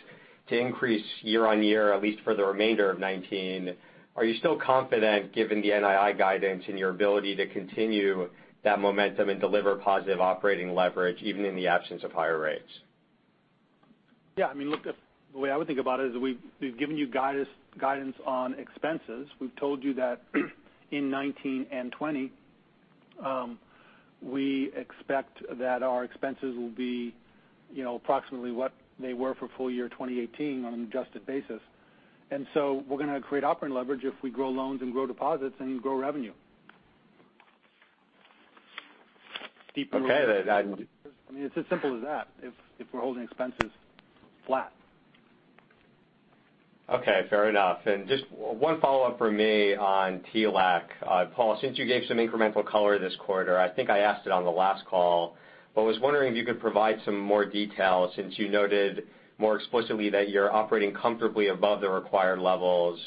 to increase year-over-year, at least for the remainder of 2019, are you still confident given the NII guidance in your ability to continue that momentum and deliver positive operating leverage even in the absence of higher rates? Yeah. Look, the way I would think about it is we've given you guidance on expenses. We've told you that in 2019 and 2020, we expect that our expenses will be approximately what they were for full year 2018 on an adjusted basis. We're going to create operating leverage if we grow loans and grow deposits and grow revenue. Okay. It's as simple as that if we're holding expenses flat. Okay, fair enough. Just one follow-up from me on TLAC. Paul, since you gave some incremental color this quarter, I think I asked it on the last call, but was wondering if you could provide some more detail since you noted more explicitly that you're operating comfortably above the required levels.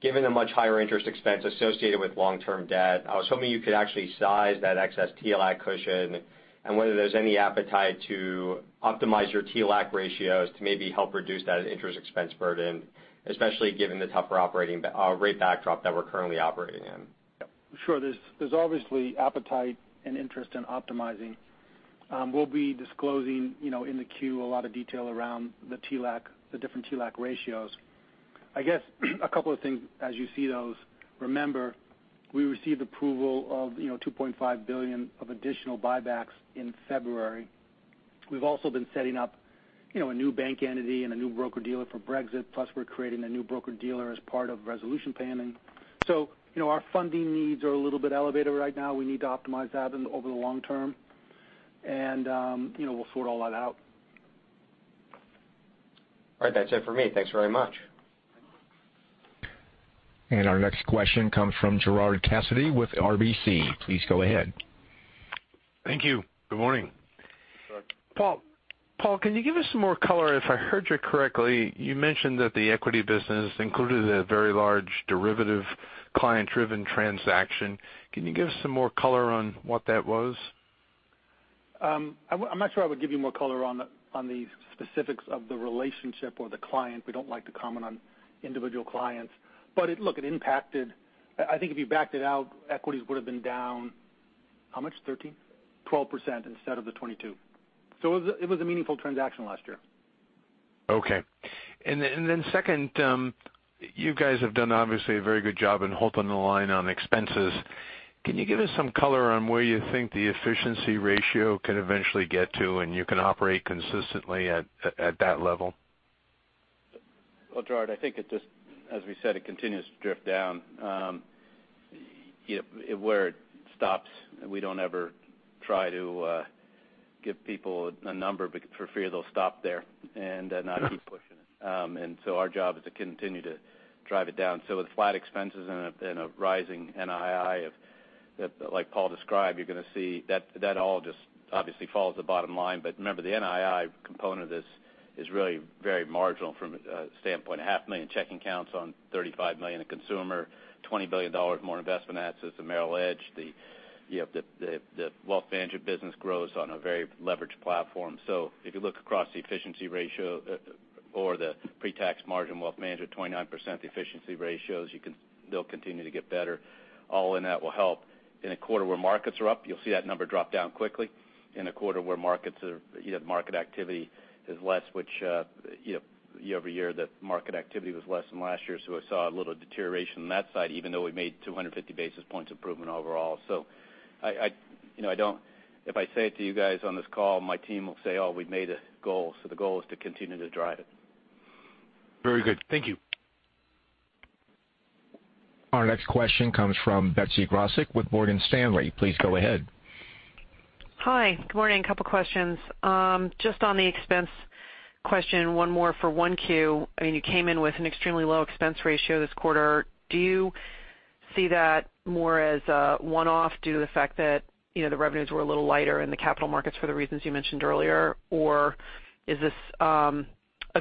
Given the much higher interest expense associated with long-term debt, I was hoping you could actually size that excess TLAC cushion and whether there's any appetite to optimize your TLAC ratios to maybe help reduce that interest expense burden, especially given the tougher operating rate backdrop that we're currently operating in. Sure. There's obviously appetite and interest in optimizing. We'll be disclosing in the Q a lot of detail around the different TLAC ratios. I guess, a couple of things as you see those. Remember, we received approval of $2.5 billion of additional buybacks in February. We've also been setting up a new bank entity and a new broker-dealer for Brexit, plus we're creating a new broker-dealer as part of resolution planning. Our funding needs are a little bit elevated right now. We need to optimize that over the long term. We'll sort all that out. All right. That's it for me. Thanks very much. Our next question comes from Gerard Cassidy with RBC. Please go ahead. Thank you. Good morning. Good. Paul, can you give us some more color? If I heard you correctly, you mentioned that the equity business included a very large derivative client-driven transaction. Can you give us some more color on what that was? I'm not sure I would give you more color on the specifics of the relationship or the client. We don't like to comment on individual clients. Look, I think if you backed it out, equities would've been down, how much? 13? 12% instead of the 22. It was a meaningful transaction last year. Okay. Then second, you guys have done obviously a very good job in holding the line on expenses. Can you give us some color on where you think the efficiency ratio could eventually get to and you can operate consistently at that level? Well, Gerard, I think as we said, it continues to drift down. Where it stops, we don't ever try to give people a number for fear they'll stop there and not keep pushing it. Our job is to continue to drive it down. With flat expenses and a rising NII, like Paul described, you're going to see that all just obviously falls to the bottom line. Remember, the NII component of this is really very marginal from a standpoint of half a million checking accounts on $35 million in consumer, $20 billion more investment assets to Merrill Edge. The wealth management business grows on a very leveraged platform. If you look across the efficiency ratio or the pre-tax margin wealth management, 29% efficiency ratios, they'll continue to get better. All in, that will help. In a quarter where markets are up, you'll see that number drop down quickly. In a quarter where you have market activity is less, which year-over-year, the market activity was less than last year, we saw a little deterioration on that side even though we made 250 basis points improvement overall. If I say it to you guys on this call, my team will say, "Oh, we've made a goal." The goal is to continue to drive it. Very good. Thank you. Our next question comes from Betsy Graseck with Morgan Stanley. Please go ahead. Hi, good morning. A couple questions. Just on the expense question, one more for 1Q. You came in with an extremely low expense ratio this quarter. Do you see that more as a one-off due to the fact that the revenues were a little lighter in the capital markets for the reasons you mentioned earlier? Or is this a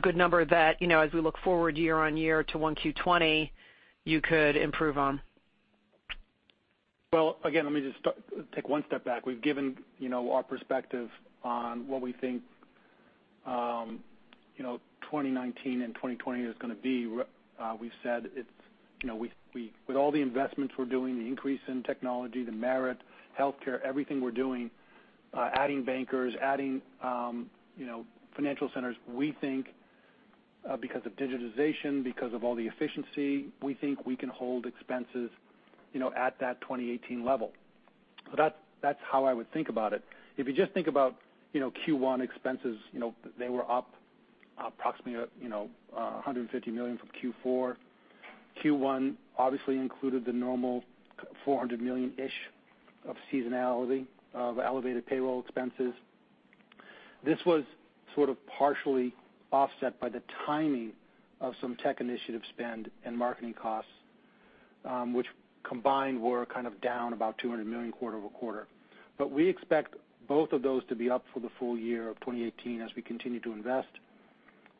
good number that, as we look forward year-on-year to 1Q 2020, you could improve on? Well, again, let me just take one step back. We've given our perspective on what we think 2019 and 2020 is going to be. We've said with all the investments we're doing, the increase in technology, Merrill, healthcare, everything we're doing, adding bankers, adding financial centers, we think because of digitization, because of all the efficiency, we think we can hold expenses at that 2018 level. That's how I would think about it. If you just think about Q1 expenses, they were up approximately $150 million from Q4. Q1 obviously included the normal $400 million-ish of seasonality of elevated payroll expenses. This was sort of partially offset by the timing of some tech initiative spend and marketing costs, which combined were kind of down about $200 million quarter-over-quarter. We expect both of those to be up for the full year of 2018 as we continue to invest.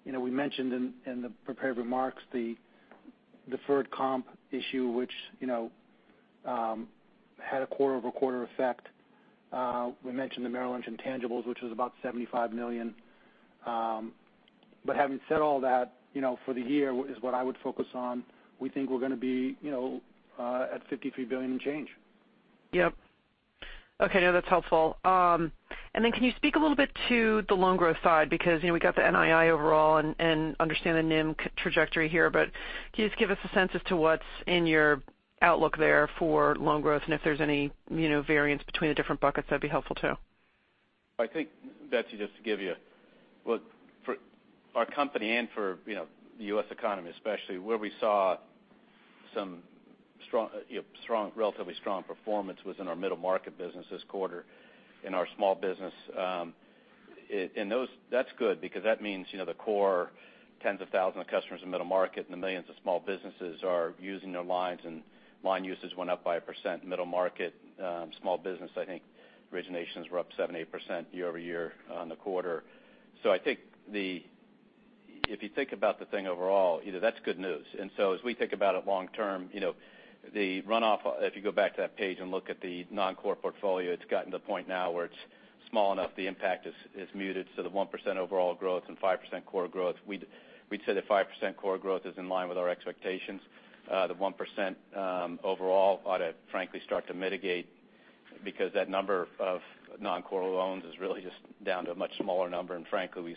We mentioned in the prepared remarks the deferred comp issue, which had a quarter-over-quarter effect. We mentioned the Merrill Lynch intangibles, which was about $75 million. Having said all that, for the year is what I would focus on. We think we're going to be at $53 billion and change. Yep. Okay, that's helpful. Can you speak a little bit to the loan growth side? Because we got the NII overall and understand the NIM trajectory here, but can you just give us a sense as to what's in your outlook there for loan growth, and if there's any variance between the different buckets, that'd be helpful too. I think, Betsy, just to give you, for our company and for the U.S. economy especially, where we saw some relatively strong performance was in our middle market business this quarter, in our small business. That's good because that means the core tens of thousands of customers in middle market and the millions of small businesses are using their lines, and line usage went up by 1%. Middle market small business, I think originations were up 7%-8% year-over-year on the quarter. I think if you think about the thing overall, that's good news. As we think about it long term, the runoff, if you go back to that page and look at the non-core portfolio, it's gotten to the point now where it's small enough, the impact is muted. The 1% overall growth and 5% core growth, we'd say the 5% core growth is in line with our expectations. The 1% overall ought to frankly start to mitigate because that number of non-core loans is really just down to a much smaller number. Frankly,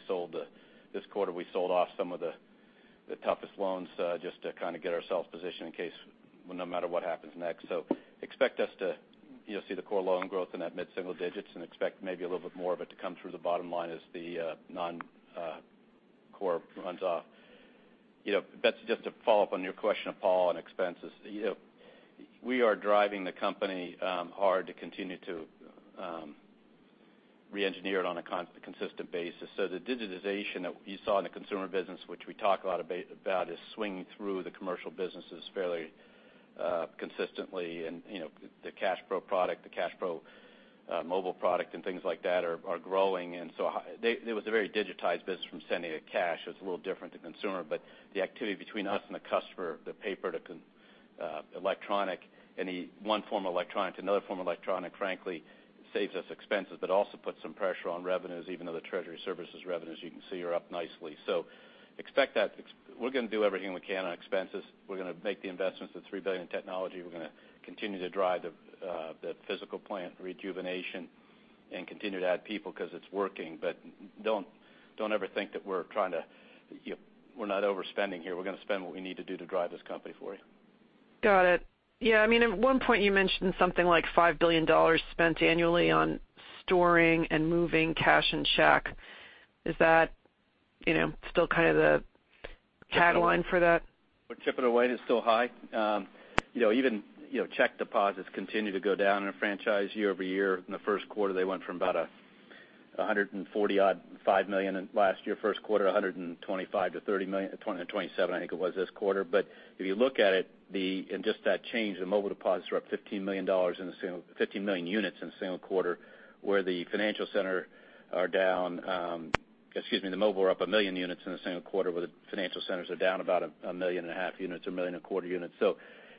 this quarter, we sold off some of the toughest loans just to kind of get ourselves positioned in case no matter what happens next. Expect us to see the core loan growth in that mid-single digits and expect maybe a little bit more of it to come through the bottom line as the non-core runs off. Betsy, just to follow up on your question of Paul on expenses. We are driving the company hard to continue to re-engineer it on a consistent basis. The digitization that you saw in the consumer business, which we talk a lot about, is swinging through the commercial businesses fairly consistently. The CashPro product, the CashPro mobile product, and things like that are growing. It was a very digitized business from sending the cash. It's a little different to consumer, but the activity between us and the customer, the paper to electronic, any one form of electronic to another form of electronic, frankly, saves us expenses, but also puts some pressure on revenues, even though the treasury services revenues, you can see, are up nicely. Expect that. We're going to do everything we can on expenses. We're going to make the investments of $3 billion in technology. We're going to continue to drive the physical plant rejuvenation and continue to add people because it's working. Don't ever think that we're not overspending here. We're going to spend what we need to do to drive this company forward. Got it. At one point you mentioned something like $5 billion spent annually on storing and moving cash and check. Is that still kind of the tagline for that? Chipping away is still high. Even check deposits continue to go down in a franchise year-over-year. In the first quarter, they went from about 140-odd, 5 million in last year first quarter, 125 to 27 I think it was this quarter. If you look at it, in just that change, the mobile deposits are up $15 million in 15 million units in a single quarter, where the financial centers are down. Excuse me, the mobile are up a million units in a single quarter where the financial centers are down about a million and a half units, a million and a quarter units.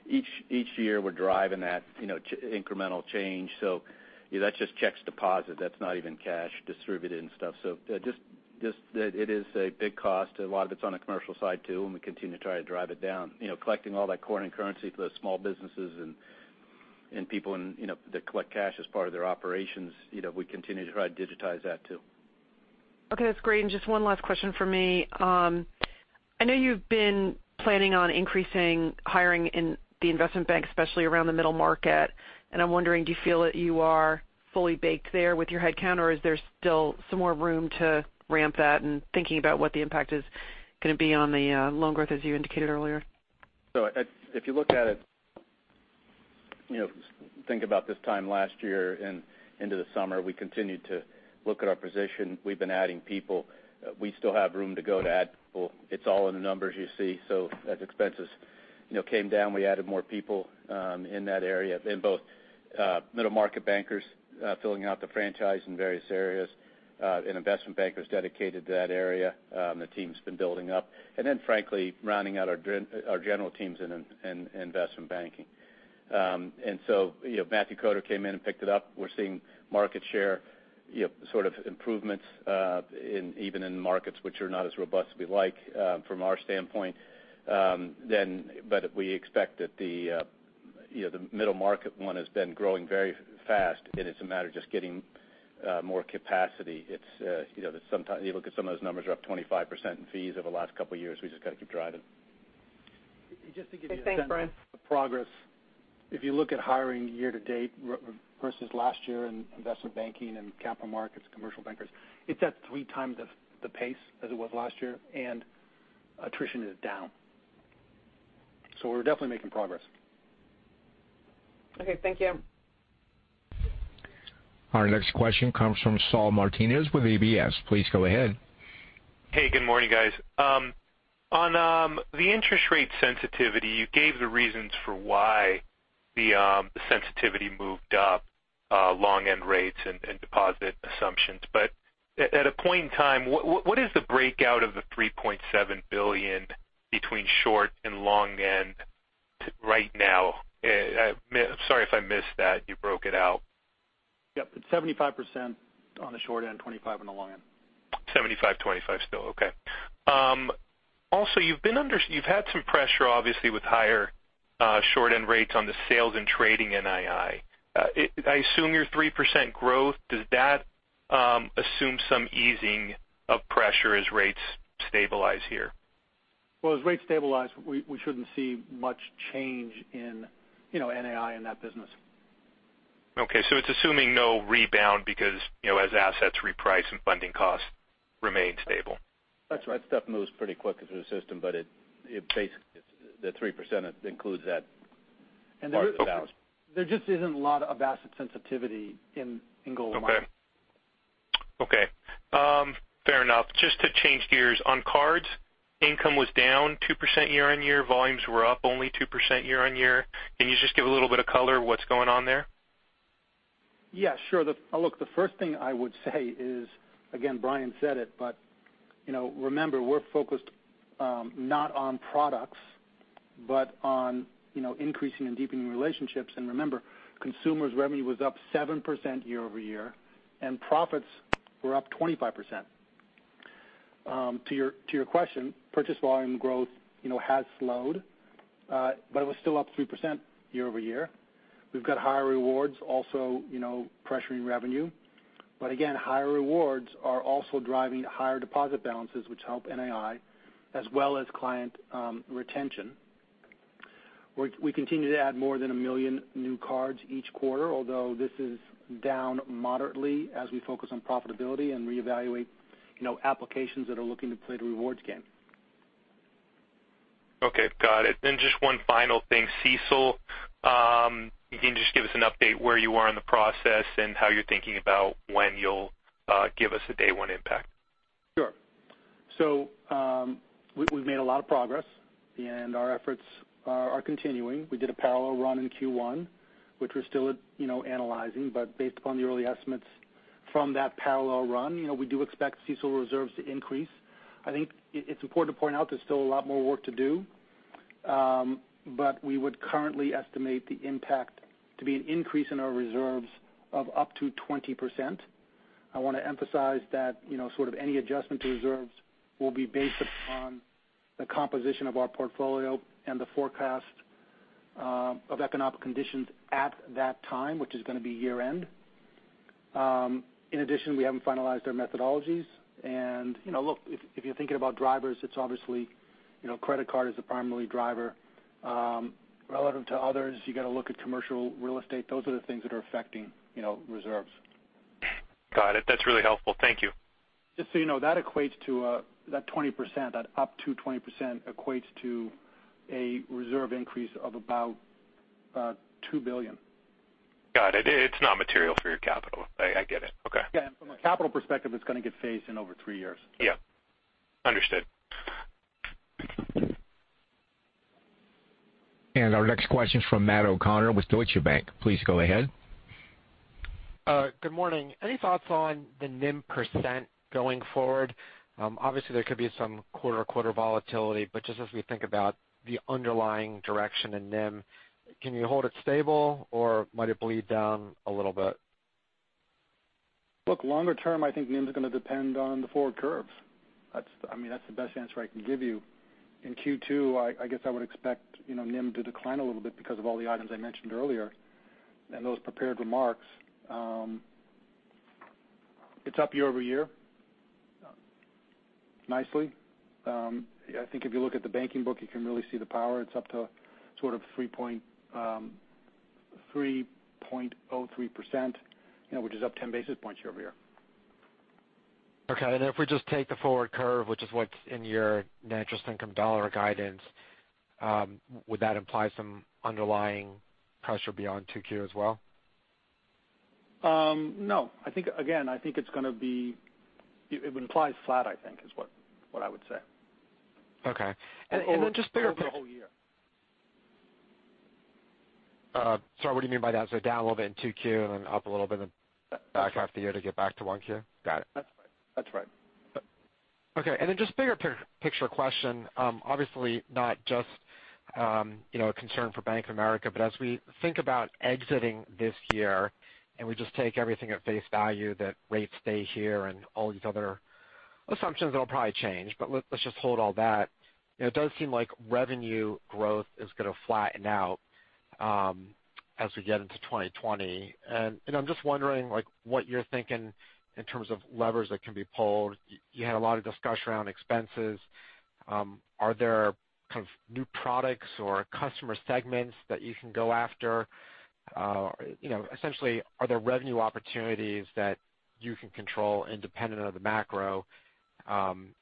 Each year we're driving that incremental change. That's just check deposits. That's not even cash distributed and stuff. Just that it is a big cost. A lot of it's on the commercial side, too, and we continue to try to drive it down. Collecting all that coin and currency for the small businesses and people that collect cash as part of their operations, we continue to try to digitize that, too. Okay, that's great. Just one last question from me. I know you've been planning on increasing hiring in the investment bank, especially around the middle market, and I'm wondering, do you feel that you are fully baked there with your headcount, or is there still some more room to ramp that and thinking about what the impact is going to be on the loan growth as you indicated earlier? If you look at it, think about this time last year and into the summer, we continued to look at our position. We've been adding people. We still have room to go to add people. It's all in the numbers you see. As expenses came down, we added more people in that area in both middle-market bankers filling out the franchise in various areas, and investment bankers dedicated to that area. The team's been building up. Frankly, rounding out our general teams in investment banking. Matthew Koder came in and picked it up. We're seeing market share improvements even in markets which are not as robust as we like from our standpoint. We expect that the middle market one has been growing very fast, and it's a matter of just getting more capacity. You look at some of those numbers are up 25% in fees over the last couple of years. We've just got to keep driving. Just to give you a sense- Okay, thanks Brian. of progress. If you look at hiring year to date versus last year in investment banking and capital markets, commercial bankers, it's at three times the pace as it was last year, and attrition is down. We're definitely making progress. Okay, thank you. Our next question comes from Saul Martinez with UBS. Please go ahead. Hey, good morning, guys. On the interest rate sensitivity, you gave the reasons for why the sensitivity moved up long end rates and deposit assumptions. At a point in time, what is the breakout of the $3.7 billion between short and long end right now? Sorry if I missed that you broke it out. Yep, it's 75% on the short end, 25 on the long end. 75/25 still. Okay. You've had some pressure, obviously, with higher short end rates on the sales and trading NII. I assume your 3% growth, does that assume some easing of pressure as rates stabilize here? Well, as rates stabilize, we shouldn't see much change in NII in that business. Okay. It's assuming no rebound because as assets reprice and funding costs remain stable. That's right. Stuff moves pretty quickly through the system, but basically, the 3% includes that part of the balance. There just isn't a lot of asset sensitivity in Global Markets. Okay. Fair enough. Just to change gears. On cards, income was down 2% year-over-year. Volumes were up only 2% year-over-year. Can you just give a little bit of color what's going on there? Yeah, sure. Look, the first thing I would say is, again, Brian said it, but remember, we're focused not on products, but on increasing and deepening relationships. Remember, Consumer Banking revenue was up 7% year-over-year, and profits were up 25%. To your question, purchase volume growth has slowed, but it was still up 3% year-over-year. We've got higher rewards also pressuring revenue. Again, higher rewards are also driving higher deposit balances, which help NAI as well as client retention. We continue to add more than 1 million new cards each quarter, although this is down moderately as we focus on profitability and reevaluate applications that are looking to play the rewards game. Okay, got it. Just one final thing. CECL. If you can just give us an update where you are in the process and how you're thinking about when you'll give us a day one impact. Sure. We've made a lot of progress, and our efforts are continuing. We did a parallel run in Q1, which we're still analyzing, but based upon the early estimates from that parallel run, we do expect CECL reserves to increase. I think it's important to point out there's still a lot more work to do, but we would currently estimate the impact to be an increase in our reserves of up to 20%. I want to emphasize that sort of any adjustment to reserves will be based upon the composition of our portfolio and the forecast of economic conditions at that time, which is going to be year end. In addition, we haven't finalized our methodologies. Look, if you're thinking about drivers, it's obviously credit card is the primary driver. Relative to others, you got to look at commercial real estate. Those are the things that are affecting reserves. Got it. That's really helpful. Thank you. Just so you know, that equates to that 20%, that up to 20% equates to a reserve increase of about $2 billion. Got it. It's not material for your capital. I get it. Okay. Yeah. From a capital perspective, it's going to get phased in over three years. Yeah. Understood. Our next question is from Matthew O'Connor with Deutsche Bank. Please go ahead. Good morning. Any thoughts on the NIM % going forward? Obviously, there could be some quarter-to-quarter volatility, but just as we think about the underlying direction in NIM, can you hold it stable or might it bleed down a little bit? Look, longer term, I think NIM is going to depend on the forward curves. That's the best answer I can give you. In Q2, I guess I would expect NIM to decline a little bit because of all the items I mentioned earlier in those prepared remarks. It's up year-over-year nicely. I think if you look at the banking book, you can really see the power. It's up to sort of 3.03%, which is up 10 basis points year-over-year. Okay. If we just take the forward curve, which is what's in your net interest income $ guidance, would that imply some underlying pressure beyond 2Q as well? No. Again, I think it would imply flat, I think, is what I would say. Okay. then just bigger- Over the whole year. Sorry, what do you mean by that? down a little bit in 2Q, then up a little bit back half the year to get back to 1Q? Got it. That's right. Okay. Just bigger picture question. Obviously, not just a concern for Bank of America, but as we think about exiting this year, and we just take everything at face value that rates stay here and all these other assumptions that'll probably change. Let's just hold all that. It does seem like revenue growth is going to flatten out as we get into 2020. I'm just wondering what you're thinking in terms of levers that can be pulled. You had a lot of discussion around expenses. Are there kind of new products or customer segments that you can go after? Essentially, are there revenue opportunities that you can control independent of the macro,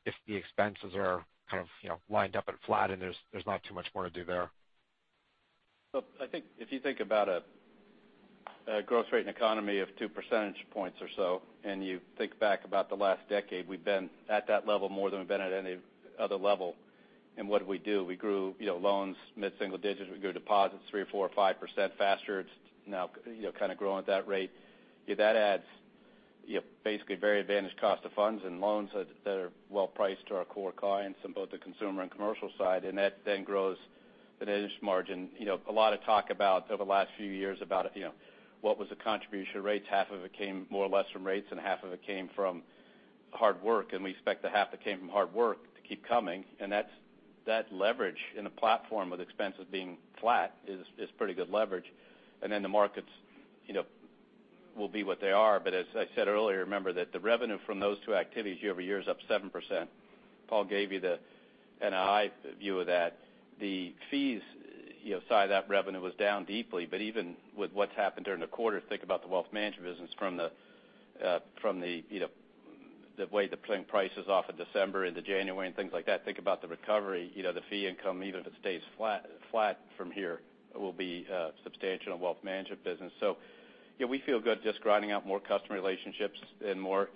if the expenses are kind of lined up and flat and there's not too much more to do there? I think if you think about a growth rate in economy of two percentage points or so, and you think back about the last decade, we've been at that level more than we've been at any other level. What did we do? We grew loans mid-single digits. We grew deposits 3%, 4%, 5% faster. It's now kind of growing at that rate. That adds basically very advantaged cost of funds and loans that are well-priced to our core clients on both the consumer and commercial side. That then grows the net interest margin. A lot of talk over the last few years about what was the contribution of rates. Half of it came more or less from rates, and half of it came from hard work. We expect the half that came from hard work to keep coming. That leverage in a platform with expenses being flat is pretty good leverage. The markets will be what they are. As I said earlier, remember that the revenue from those two activities year-over-year is up 7%. Paul gave you the NII view of that. The fees side of that revenue was down deeply. Even with what's happened during the quarter, think about the wealth management business from the way the prices off in December into January and things like that. Think about the recovery. The fee income, even if it stays flat from here, will be substantial in the wealth management business. We feel good just grinding out more customer relationships and more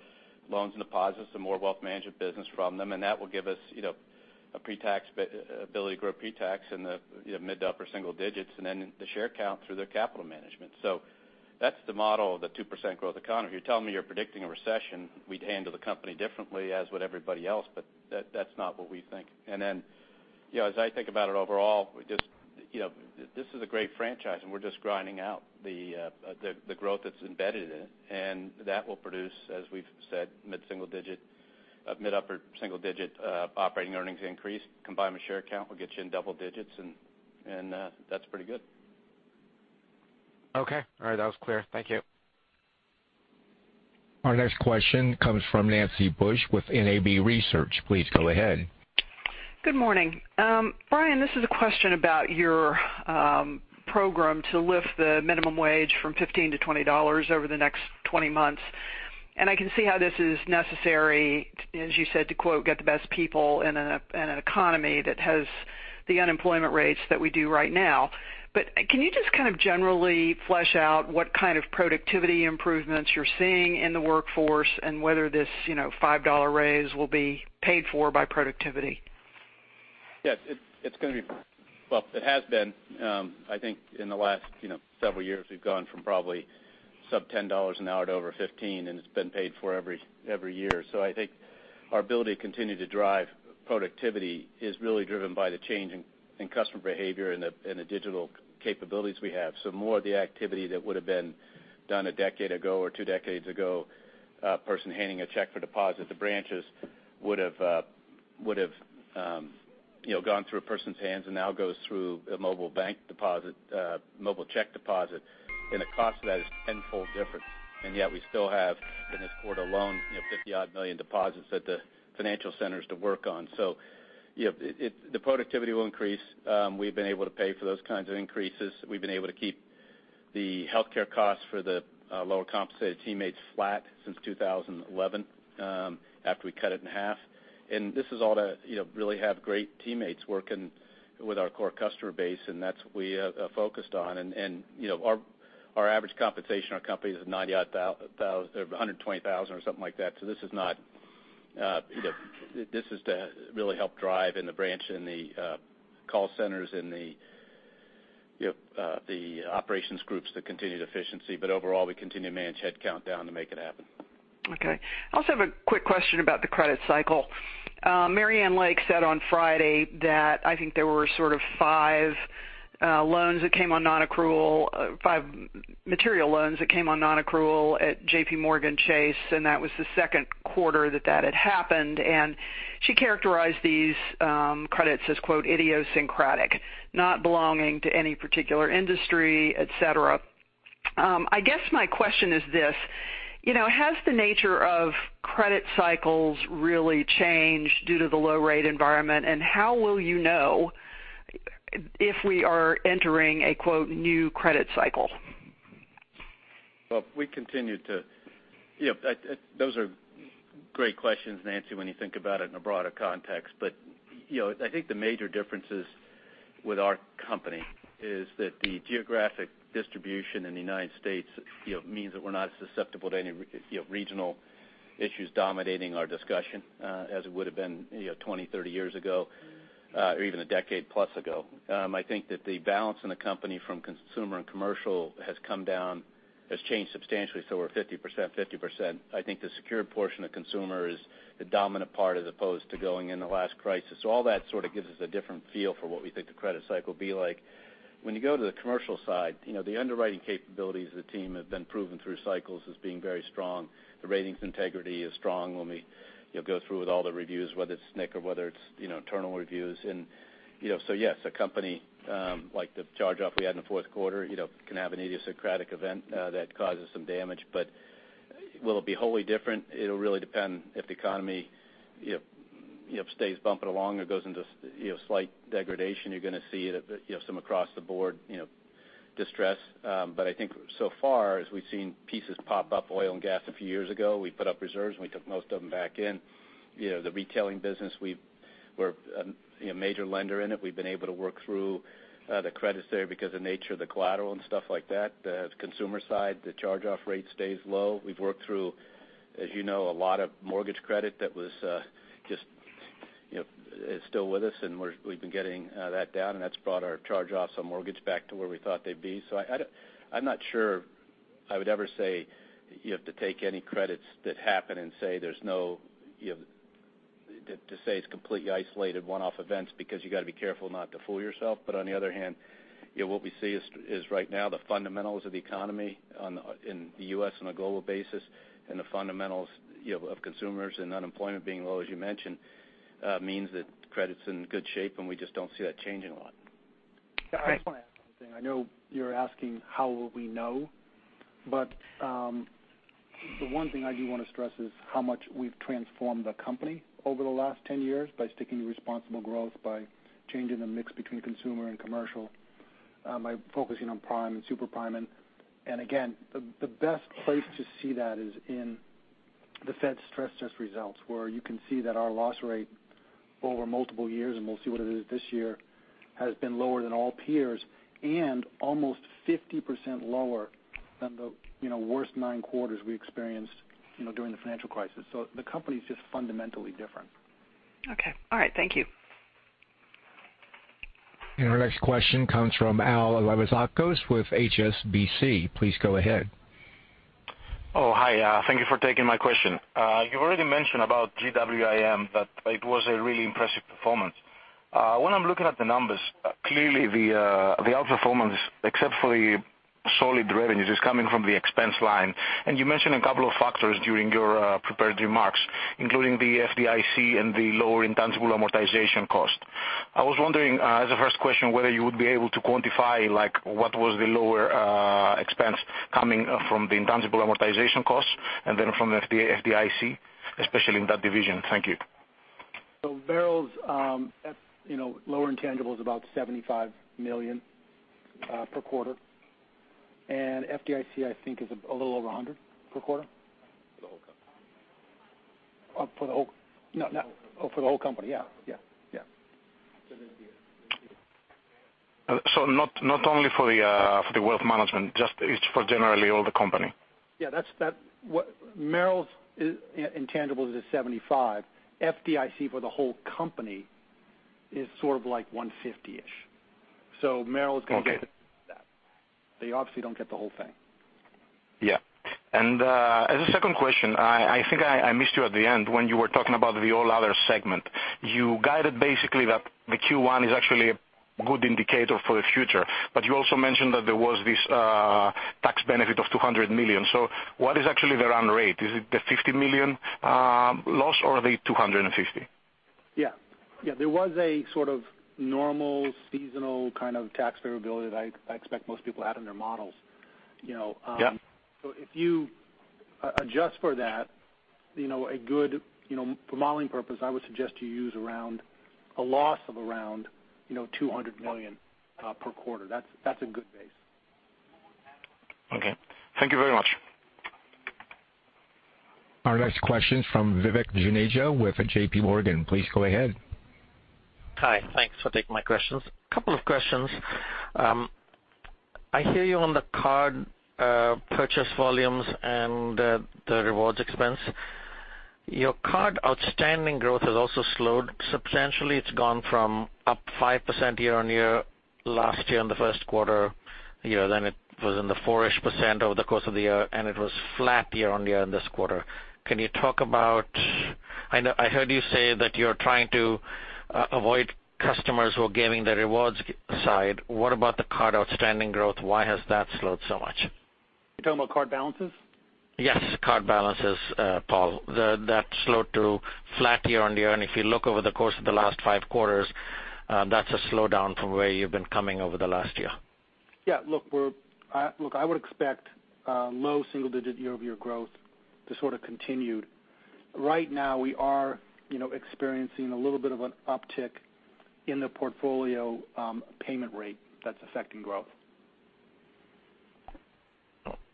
loans and deposits and more wealth management business from them. That will give us ability to grow pre-tax in the mid to upper single digits and then the share count through the capital management. That's the model of the 2% growth economy. If you're telling me you're predicting a recession, we'd handle the company differently, as would everybody else. That's not what we think. As I think about it overall, this is a great franchise, and we're just grinding out the growth that's embedded in it. That will produce, as we've said, mid-upper single digit operating earnings increase. Combined with share count, will get you in double digits, and that's pretty good. Okay. All right. That was clear. Thank you. Our next question comes from Nancy Bush with NAB Research. Please go ahead. Good morning. Brian, this is a question about your program to lift the minimum wage from $15 to $20 over the next 20 months. I can see how this is necessary, as you said, to quote, "Get the best people in an economy that has the unemployment rates that we do right now." Can you just kind of generally flesh out what kind of productivity improvements you're seeing in the workforce and whether this $5 raise will be paid for by productivity? Yes. Well, it has been. I think in the last several years, we've gone from probably sub $10 an hour to over 15, and it's been paid for every year. I think our ability to continue to drive productivity is really driven by the change in customer behavior and the digital capabilities we have. More of the activity that would've been done a decade ago or two decades ago, a person handing a check for deposit at the branches would've gone through a person's hands and now goes through a mobile check deposit. The cost of that is tenfold different. Yet we still have, in this quarter alone, 50-odd million deposits at the financial centers to work on. The productivity will increase. We've been able to pay for those kinds of increases. We've been able to keep the healthcare costs for the lower compensated teammates flat since 2011, after we cut it in half. This is all to really have great teammates working with our core customer base, and that's what we are focused on. Our average compensation in our company is $120,000 or something like that. This is to really help drive in the branch and the call centers and the operations groups, the continued efficiency. Overall, we continue to manage head count down to make it happen. Okay. I also have a quick question about the credit cycle. Marianne Lake said on Friday that I think there were sort of five material loans that came on non-accrual at JPMorgan Chase, and that was the second quarter that that had happened. She characterized these credits as, quote, "idiosyncratic," not belonging to any particular industry, et cetera. I guess my question is this. Has the nature of credit cycles really changed due to the low rate environment? How will you know if we are entering a, quote, "new credit cycle? Well, those are great questions, Nancy, when you think about it in a broader context. I think the major differences with our company is that the geographic distribution in the U.S. means that we're not susceptible to any regional issues dominating our discussion as it would have been 20, 30 years ago or even a decade plus ago. I think that the balance in the company from consumer and commercial has changed substantially, so we're 50%/50%. I think the secured portion of consumer is the dominant part as opposed to going in the last crisis. All that sort of gives us a different feel for what we think the credit cycle will be like. When you go to the commercial side, the underwriting capabilities of the team have been proven through cycles as being very strong. The ratings integrity is strong when we go through with all the reviews, whether it's SNC or whether it's internal reviews. Yes, a company like the charge-off we had in the fourth quarter can have an idiosyncratic event that causes some damage. Will it be wholly different? It'll really depend if the economy stays bumping along or goes into slight degradation. You're going to see some across-the-board distress. I think so far as we've seen pieces pop up, oil and gas a few years ago, we put up reserves and we took most of them back in. The retailing business, we're a major lender in it. We've been able to work through the credits there because of the nature of the collateral and stuff like that. The consumer side, the charge-off rate stays low. We've worked through, as you know, a lot of mortgage credit that is still with us, and we've been getting that down, and that's brought our charge-offs on mortgage back to where we thought they'd be. I'm not sure I would ever say you have to take any credits that happen to say it's completely isolated one-off events because you got to be careful not to fool yourself. On the other hand, what we see is right now the fundamentals of the economy in the U.S. on a global basis and the fundamentals of consumers and unemployment being low, as you mentioned, means that credit's in good shape, and we just don't see that changing a lot. Okay. I just want to add one thing. I know you're asking how will we know, but the one thing I do want to stress is how much we've transformed the company over the last 10 years by sticking to responsible growth, by changing the mix between consumer and commercial, by focusing on prime and super prime. Again, the best place to see that is in the Fed's stress test results, where you can see that our loss rate over multiple years, and we'll see what it is this year, has been lower than all peers and almost 50% lower than the worst nine quarters we experienced during the financial crisis. The company's just fundamentally different. Okay. All right. Thank you. Our next question comes from Alevizos Alevizakos with HSBC. Please go ahead. Oh, hi. Thank you for taking my question. You already mentioned about GWIM, that it was a really impressive performance. When I'm looking at the numbers, clearly the outperformance, except for the solid revenues, is coming from the expense line. You mentioned a couple of factors during your prepared remarks, including the FDIC and the lower intangible amortization cost. I was wondering, as a first question, whether you would be able to quantify what was the lower expense coming from the intangible amortization costs and then from the FDIC, especially in that division. Thank you. Merrill's lower intangibles is about $75 million per quarter, and FDIC, I think, is a little over $100 per quarter. For the whole company. Oh, for the whole company. Yeah. Not only for the wealth management, it's for generally all the company. Merrill's intangibles is at $75. FDIC for the whole company is sort of like $150-ish. Merrill's going to get that. They obviously don't get the whole thing. As a second question, I think I missed you at the end when you were talking about the All Other segment. You guided basically that the Q1 is actually a good indicator for the future, but you also mentioned that there was this tax benefit of $200 million. What is actually the run rate? Is it the $50 million loss or the $250 million? There was a sort of normal seasonal kind of tax variability that I expect most people had in their models. Yeah. If you adjust for that, for modeling purpose, I would suggest you use a loss of around $200 million per quarter. That's a good base. Okay. Thank you very much. Our next question is from Vivek Juneja with J.P. Morgan. Please go ahead. Hi. Thanks for taking my questions. Couple of questions. I hear you on the card purchase volumes and the rewards expense. Your card outstanding growth has also slowed substantially. It has gone from up 5% year-over-year last year in the first quarter. Then it was in the 4-ish% over the course of the year, and it was flat year-over-year in this quarter. I heard you say that you are trying to avoid customers who are gaming the rewards side. What about the card outstanding growth? Why has that slowed so much? You talking about card balances? Yes, card balances, Paul. That slowed to flat year-over-year, and if you look over the course of the last 5 quarters, that's a slowdown from where you've been coming over the last year. Yeah. Look, I would expect low single-digit year-over-year growth to sort of continue. Right now, we are experiencing a little bit of an uptick in the portfolio payment rate that's affecting growth.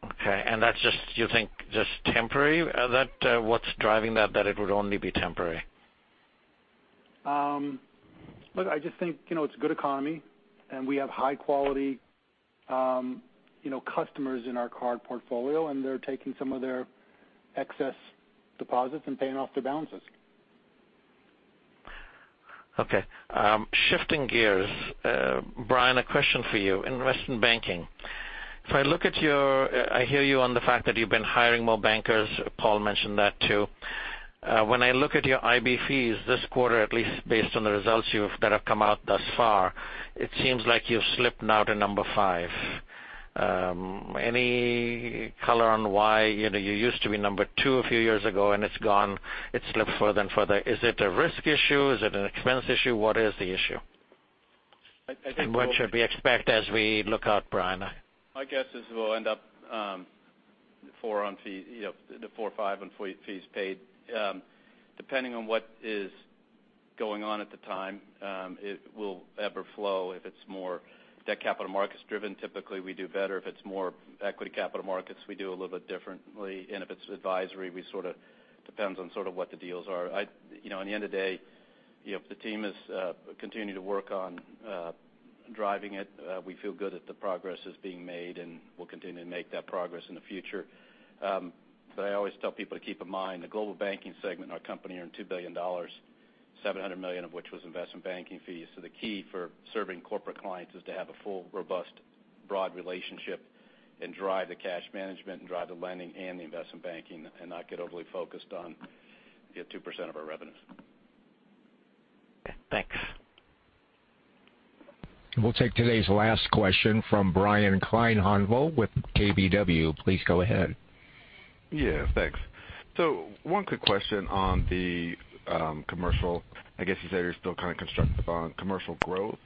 Okay. That's just, you think, just temporary? What's driving that it would only be temporary? Look, I just think it's a good economy, and we have high-quality customers in our card portfolio, and they're taking some of their excess deposits and paying off their balances. Okay. Shifting gears. Brian, a question for you. Investment banking. I hear you on the fact that you've been hiring more bankers. Paul mentioned that, too. When I look at your IB fees this quarter, at least based on the results that have come out thus far, it seems like you've slipped now to number 5. Any color on why? You used to be number 2 a few years ago. It's gone. It slipped further and further. Is it a risk issue? Is it an expense issue? What is the issue? I think What should we expect as we look out, Brian? My guess is we'll end up four or five on fees paid. Depending on what is going on at the time, it will ebb or flow. If it's more debt capital markets driven, typically we do better. If it's more equity capital markets, we do a little bit differently. If it's advisory, it depends on what the deals are. At the end of the day, the team has continued to work on driving it. We feel good that the progress is being made, and we'll continue to make that progress in the future. I always tell people to keep in mind, the Global Banking segment in our company earned $2 billion, $700 million of which was investment banking fees. The key for serving corporate clients is to have a full, robust, broad relationship and drive the cash management and drive the lending and the investment banking and not get overly focused on the 2% of our revenues. Okay, thanks. We'll take today's last question from Brian Kleinhanzl with KBW. Please go ahead. Yeah, thanks. One quick question on the commercial. I guess you said you're still kind of constructive on commercial growth.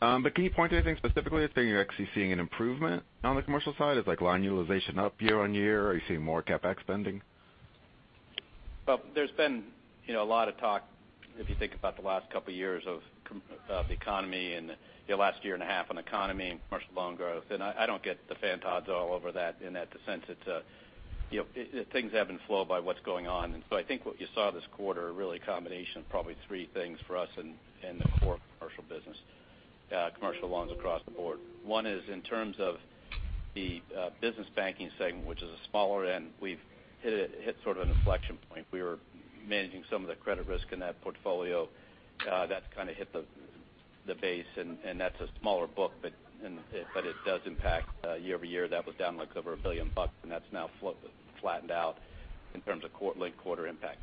Can you point to anything specifically that you're actually seeing an improvement on the commercial side? Is line utilization up year-on-year? Are you seeing more CapEx spending? There's been a lot of talk, if you think about the last couple of years of the economy and the last year and a half on economy and commercial loan growth. I don't get the fantods all over that in that sense. Things ebb and flow by what's going on. I think what you saw this quarter are really a combination of probably three things for us in the core commercial business, commercial loans across the board. One is in terms of the Business Banking segment, which is a smaller end. We've hit sort of an inflection point. We were managing some of the credit risk in that portfolio. That kind of hit the base, and that's a smaller book, but it does impact year-over-year. That was down like over $1 billion, and that's now flattened out in terms of linked-quarter impact.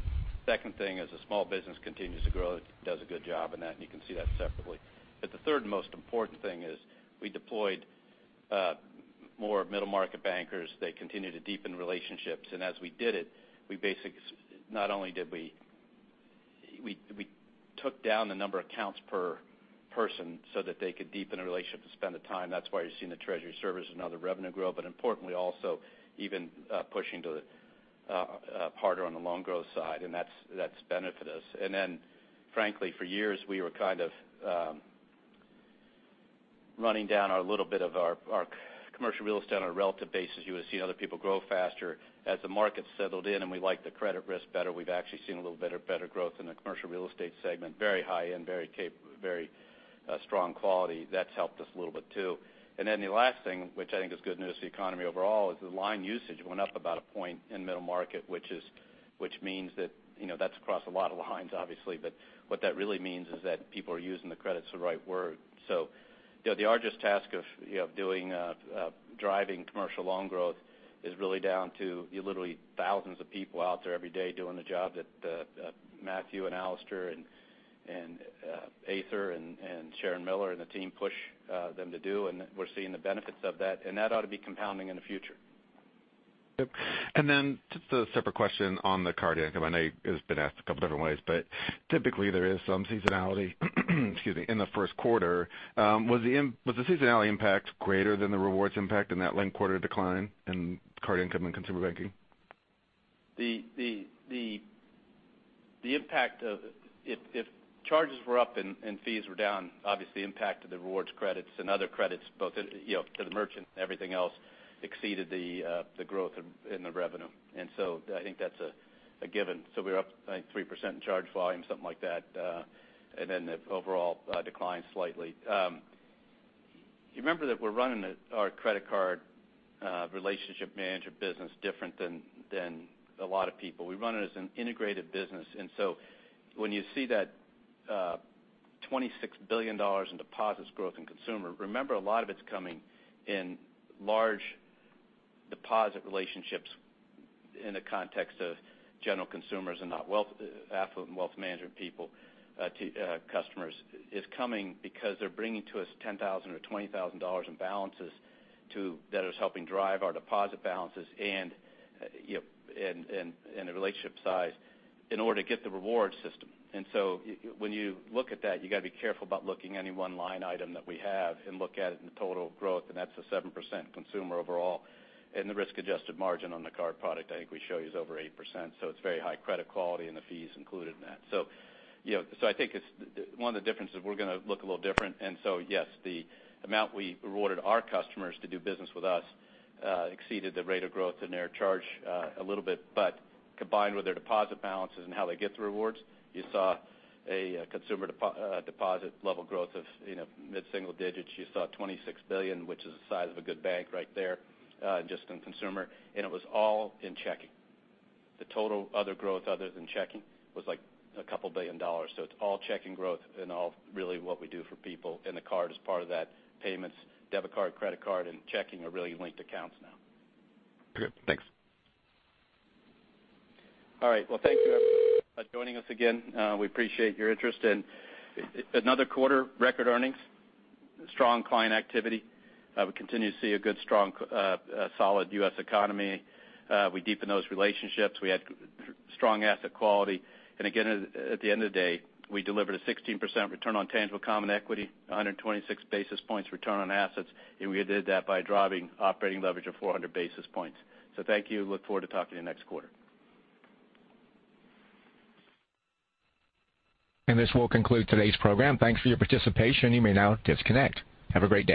Second thing is the small business continues to grow. It does a good job in that, and you can see that separately. The third most important thing is we deployed more middle-market bankers. They continue to deepen relationships. As we did it, not only did we take down the number of accounts per person so that they could deepen the relationship and spend the time. That's why you're seeing the treasury service and other revenue grow. Importantly, also even pushing harder on the loan growth side, and that's benefited us. Frankly, for years, we were kind of running down our little bit of our commercial real estate on a relative basis. You would see other people grow faster. As the market settled in and we liked the credit risk better, we've actually seen a little better growth in the commercial real estate segment. Very high-end, very strong quality. That's helped us a little bit, too. The last thing, which I think is good news for the economy overall, is the line usage went up about a point in middle market, which means that's across a lot of lines, obviously. What that really means is that people are using the credit's the right word. The largest task of driving commercial loan growth is really down to literally thousands of people out there every day doing the job that Matthew and Alastair and Ather and Sharon Miller and the team push them to do. We're seeing the benefits of that, and that ought to be compounding in the future. Yep. Just a separate question on the card income. I know it's been asked a couple different ways, but typically there is some seasonality in the first quarter. Was the seasonality impact greater than the rewards impact in that linked-quarter decline in card income and Consumer Banking? The impact of it, if charges were up and fees were down, obviously impacted the rewards credits and other credits both to the merchant and everything else exceeded the growth in the revenue. I think that's a given. We're up, I think, 3% in charge volume, something like that. The overall declined slightly. You remember that we're running our credit card relationship manager business different than a lot of people. We run it as an integrated business. When you see that $26 billion in deposits growth in consumer, remember a lot of it's coming in large deposit relationships in the context of general consumers and not affluent wealth management people, customers. It's coming because they're bringing to us $10,000 or $20,000 in balances that is helping drive our deposit balances and the relationship size in order to get the reward system. When you look at that, you got to be careful about looking any one line item that we have and look at it in the total growth, and that's a 7% consumer overall. The risk-adjusted margin on the card product I think we show you is over 8%, so it's very high credit quality and the fees included in that. I think one of the differences, we're going to look a little different. Yes, the amount we rewarded our customers to do business with us exceeded the rate of growth in their charge a little bit. Combined with their deposit balances and how they get the rewards, you saw a consumer deposit level growth of mid-single digits. You saw $26 billion, which is the size of a good bank right there just in consumer. It was all in checking. The total other growth other than checking was like a couple billion dollars. It's all checking growth and all really what we do for people, and the card is part of that. Payments, debit card, credit card, and checking are really linked accounts now. Good. Thanks. All right. Well, thank you for joining us again. We appreciate your interest. Another quarter, record earnings, strong client activity. We continue to see a good, strong, solid U.S. economy. We deepen those relationships. We had strong asset quality. Again, at the end of the day, we delivered a 16% return on tangible common equity, 126 basis points return on assets, and we did that by driving operating leverage of 400 basis points. Thank you. Look forward to talking to you next quarter. This will conclude today's program. Thanks for your participation. You may now disconnect. Have a great day.